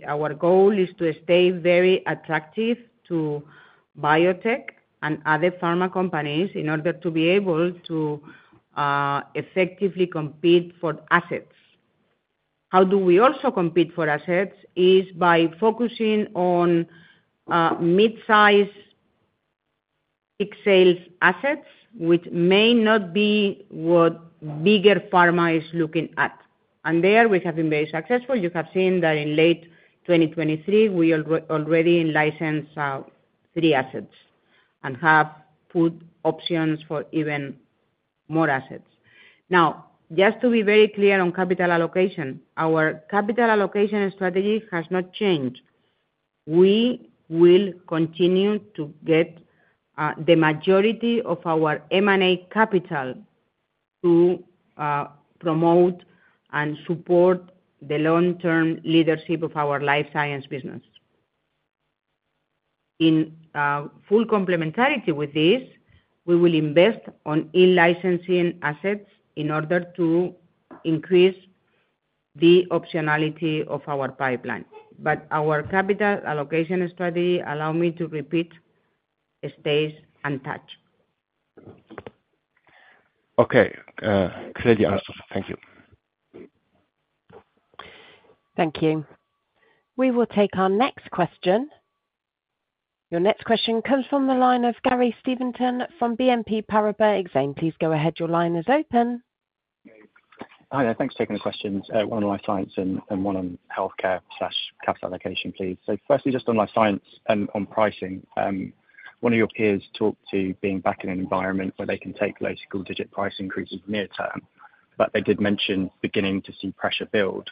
our goal is to stay very attractive to biotech and other pharma companies in order to be able to effectively compete for assets. How do we also compete for assets? It's by focusing on mid-size excellent assets, which may not be what bigger pharma is looking at. And there, we have been very successful. You have seen that in late 2023, we already licensed three assets and have put options for even more assets. Now, just to be very clear on capital allocation, our capital allocation strategy has not changed. We will continue to get the majority of our M&A capital to promote and support the long-term leadership of Life Science business. In full complementarity with this, we will invest in licensing assets in order to increase the optionality of our pipeline. But our capital allocation strategy, allow me to repeat, stays untouched. Okay. Clearly answered. Thank you. Thank you. We will take our next question. Your next question comes from the line of Gary Stevenson from BNP Paribas Exane. Please go ahead. Your line is open. Hi. Thanks for taking the questions. One Life Science and one on Healthcare/capital allocation, please. Firstly, o Life Science and on pricing, one of your peers talked to being back in an environment where they can take low single digit price increases near term, but they did mention beginning to see pressure build.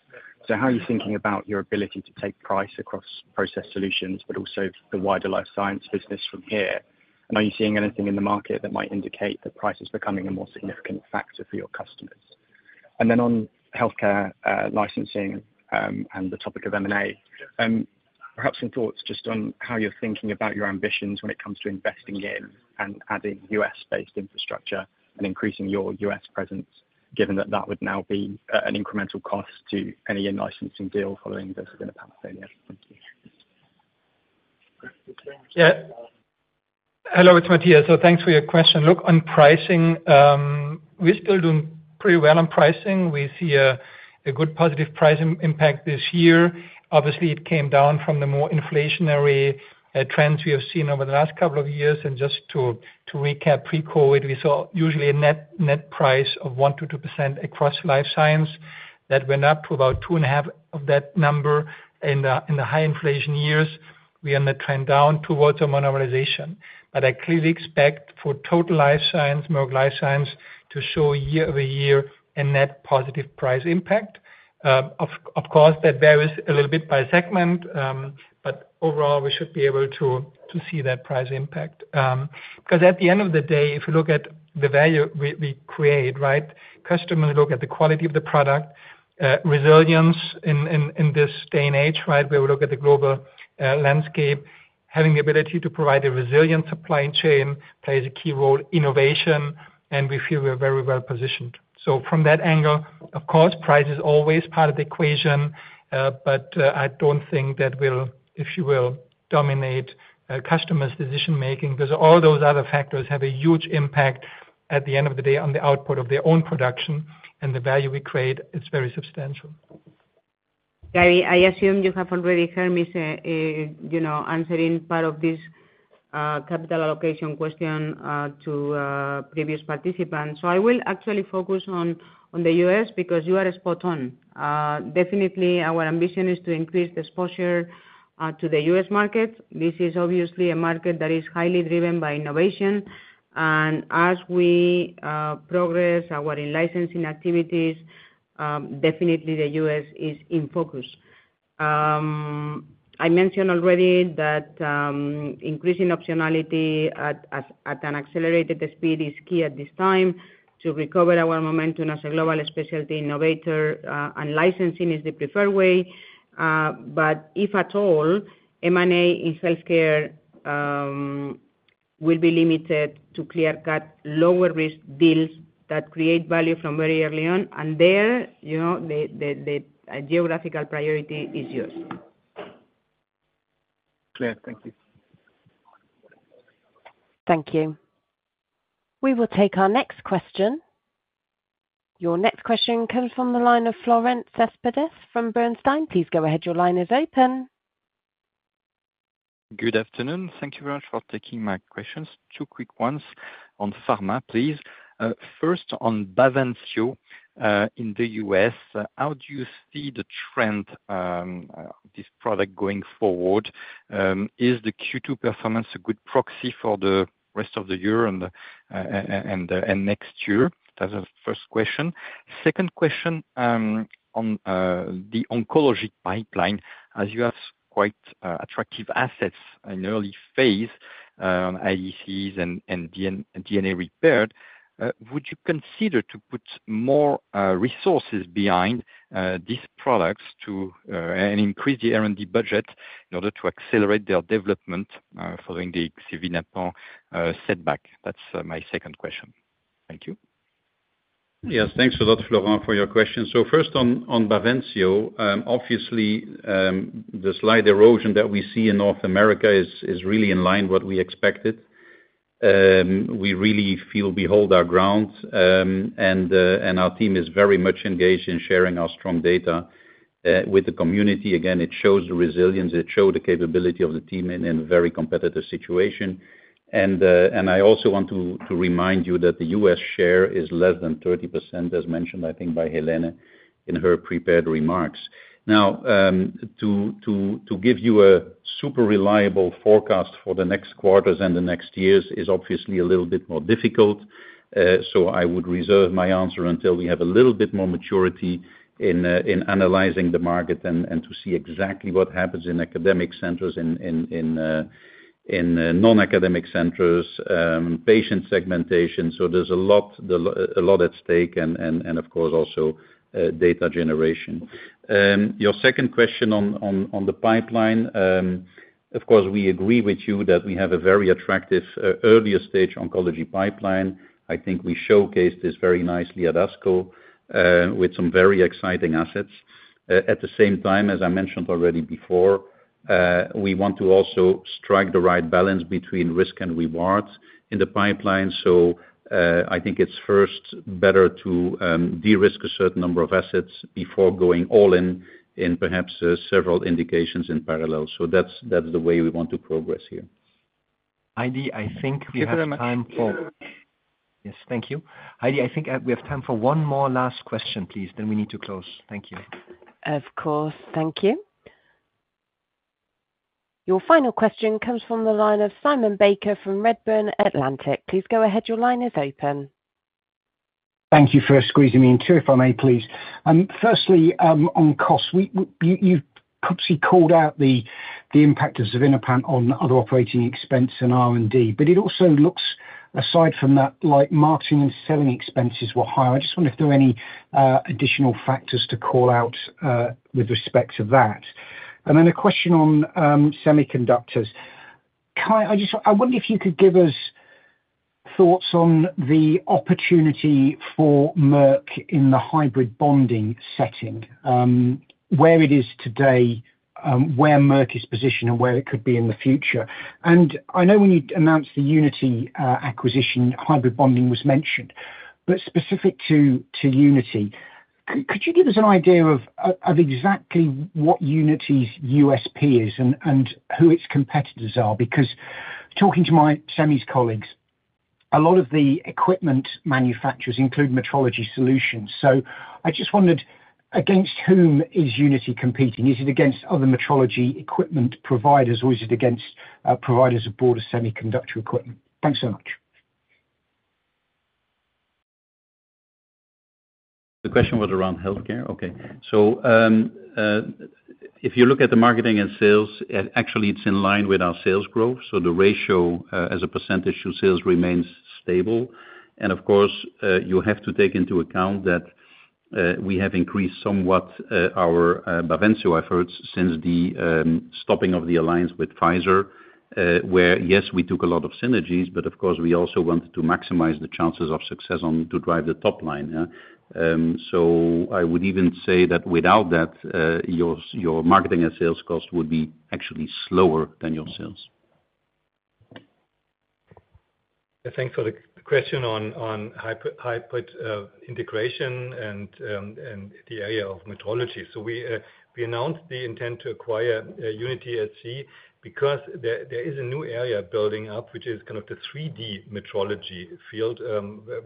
So how are you thinking about your ability to take price across Process Solutions, but also the Life Science business from here? Are you seeing anything in the market that might indicate that price is becoming a more significant factor for your customers? On Healthcare licensing and the topic of M&A, perhaps some thoughts just on how you're thinking about your ambitions when it comes to investing in and adding U.S.-based infrastructure and increasing your U.S. presence, given that that would now be an incremental cost to any in-licensing deal following this in the past. Thank you. Yeah. Hello, it's Matthias. Thanks for your question. Look, on pricing, we're still doing pretty well on pricing. We see a good positive price impact this year. Obviously, it came down from the more inflationary trends we have seen over the last couple of years. And just to recap, pre-COVID, we saw usually a net price of 1%-2% Life Science that went up to about 2.5 of that number in the high inflation years. We are in the trend down towards a more normalization. But I clearly expect for Life Science to show year-over-year a net positive price impact. Of course, that varies a little bit by segment. Overall, we should be able to see that price impact. Because at the end of the day, if you look at the value we create, right, customers look at the quality of the product, resilience in this day and age, right, where we look at the global landscape, having the ability to provide a resilient supply chain plays a key role, innovation, and we feel we're very well positioned. So from that angle, of course, price is always part of the equation. But I don't think that will, if you will, dominate customers' decision-making because all those other factors have a huge impact at the end of the day on the output of their own production. The value we create is very substantial. Gary, I assume you have already heard me answering part of this capital allocation question to previous participants. I will actually focus on the U.S. because you are spot on. Definitely, our ambition is to increase the exposure to the U.S. market. This is obviously a market that is highly driven by innovation. And as we progress our in-licensing activities, definitely the U.S. is in focus. I mentioned already that increasing optionality at an accelerated speed is key at this time to recover our momentum as a global specialty innovator. And licensing is the preferred way. But if at all, M&A in Healthcare will be limited to clear-cut, lower-risk deals that create value from very early on. And there, the geographical priority is yours. Clear. Thank you. Thank you. We will take our next question. Your next question comes from the line of Florent Cespedes from Bernstein. Please go ahead. Your line is open. Good afternoon. Thank you very much for taking my questions. Two quick ones on pharma, please. First, on Bavencio in the US, how do you see the trend of this product going forward? Is the Q2 performance a good proxy for the rest of the year and next year? That's the first question. Second question on the oncology pipeline. As you have quite attractive assets in early phase, ADCs and DNA repair, would you consider to put more resources behind these products and increase the R&D budget in order to accelerate their development following the Xevinapant setback? That's my second question. Thank you. Yes. Thanks a lot, Florent, for your question. So first on Bavencio, obviously, the sales erosion that we see in North America is really in line with what we expected. We really feel we hold our ground. And our team is very much engaged in sharing our strong data with the community. Again, it shows the resilience. It showed the capability of the team in a very competitive situation. I also want to remind you that the U.S. share is less than 30%, as mentioned, by Helene in her prepared remarks. Now, to give you a super reliable forecast for the next quarters and the next years is obviously a little bit more difficult. I would reserve my answer until we have a little bit more maturity in analyzing the market and to see exactly what happens in academic centers, in non-academic centers, patient segmentation. There's a lot at stake and, of course, also data generation. Your second question on the pipeline, of course, we agree with you that we have a very attractive earlier stage oncology pipeline. We showcased this very nicely at ASCO with some very exciting assets. At the same time, as I mentioned already before, we want to also strike the right balance between risk and reward in the pipeline. It's first better to de-risk a certain number of assets before going all in in perhaps several indications in parallel. So that's the way we want to progress here. Heidi, we have time for. Yes. Thank you. Heidi, we have time for one more last question, please. Then we need to close. Thank you. Of course. Thank you. Your final question comes from the line of Simon Baker from Redburn Atlantic. Please go ahead. Your line is open. Thank you for squeezing me in too if I may, please. Firstly, on cost, you've obviously called out the impact of Xevinapant on other operating expense and R&D. But it also looks, aside from that, like marketing and selling expenses were higher. I just wonder if there are any additional factors to call out with respect to that. Then a question on semiconductors. I wonder if you could give us thoughts on the opportunity for Merck in the hybrid bonding setting, where it is today, where Merck is positioned, and where it could be in the future. I know when you announced the Unity acquisition, hybrid bonding was mentioned. But specific to Unity, could you give us an idea of exactly what Unity's USP is and who its competitors are? Because talking to my semis colleagues, a lot of the equipment manufacturers include metrology solutions. So I just wondered, against whom is Unity competing? Is it against other metrology equipment providers, or is it against providers of broader semiconductor equipment? Thanks so much. The question was around Healthcare. Okay. So if you look at the marketing and sales, actually, it's in line with our sales growth. So the ratio as a percentage to sales remains stable. And of course, you have to take into account that we have increased somewhat our Bavencio efforts since the stopping of the alliance with Pfizer, where, yes, we took a lot of synergies, but of course, we also wanted to maximize the chances of success to drive the top line. So I would even say that without that, your marketing and sales cost would be actually slower than your sales. Thanks for the question on heterogeneous integration and the area of metrology. So we announced the intent to acquire UnitySC because there is a new area building up, which is kind of the 3D metrology field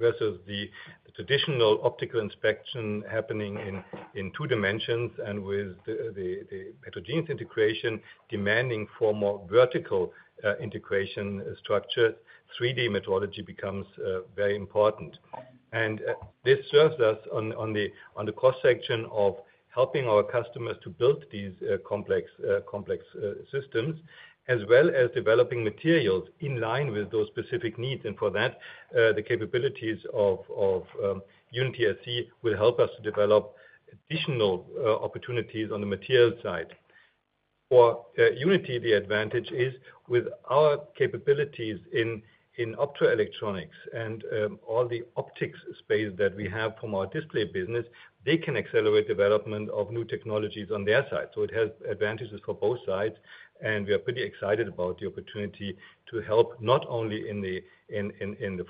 versus the traditional optical inspection happening in two dimensions. And with the heterogeneous integration demanding for more vertical integration structures, 3D metrology becomes very important. And this serves us on the cross-section of helping our customers to build these complex systems, as well as developing materials in line with those specific needs. And for that, the capabilities of UnitySC will help us to develop additional opportunities on the material side. For Unity, the advantage is with our capabilities in optoElectronics and all the optics space that we have from our display business, they can accelerate development of new technologies on their side. So it has advantages for both sides. And we are pretty excited about the opportunity to help not only in the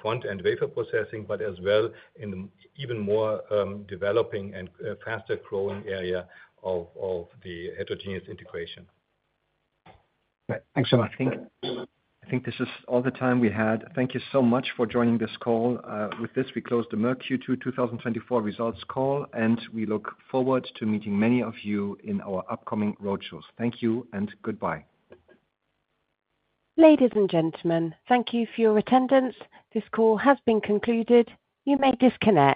front-end wafer processing, but as well in the even more developing and faster growing area of the heterogeneous integration. Thanks so much. This is all the time we had. Thank you so much for joining this call. With this, we close the Merck Q2 2024 results call, and we look forward to meeting many of you in our upcoming roadshows. Thank you and goodbye. Ladies and gentlemen, thank you for your attendance. This call has been concluded. You may disconnect.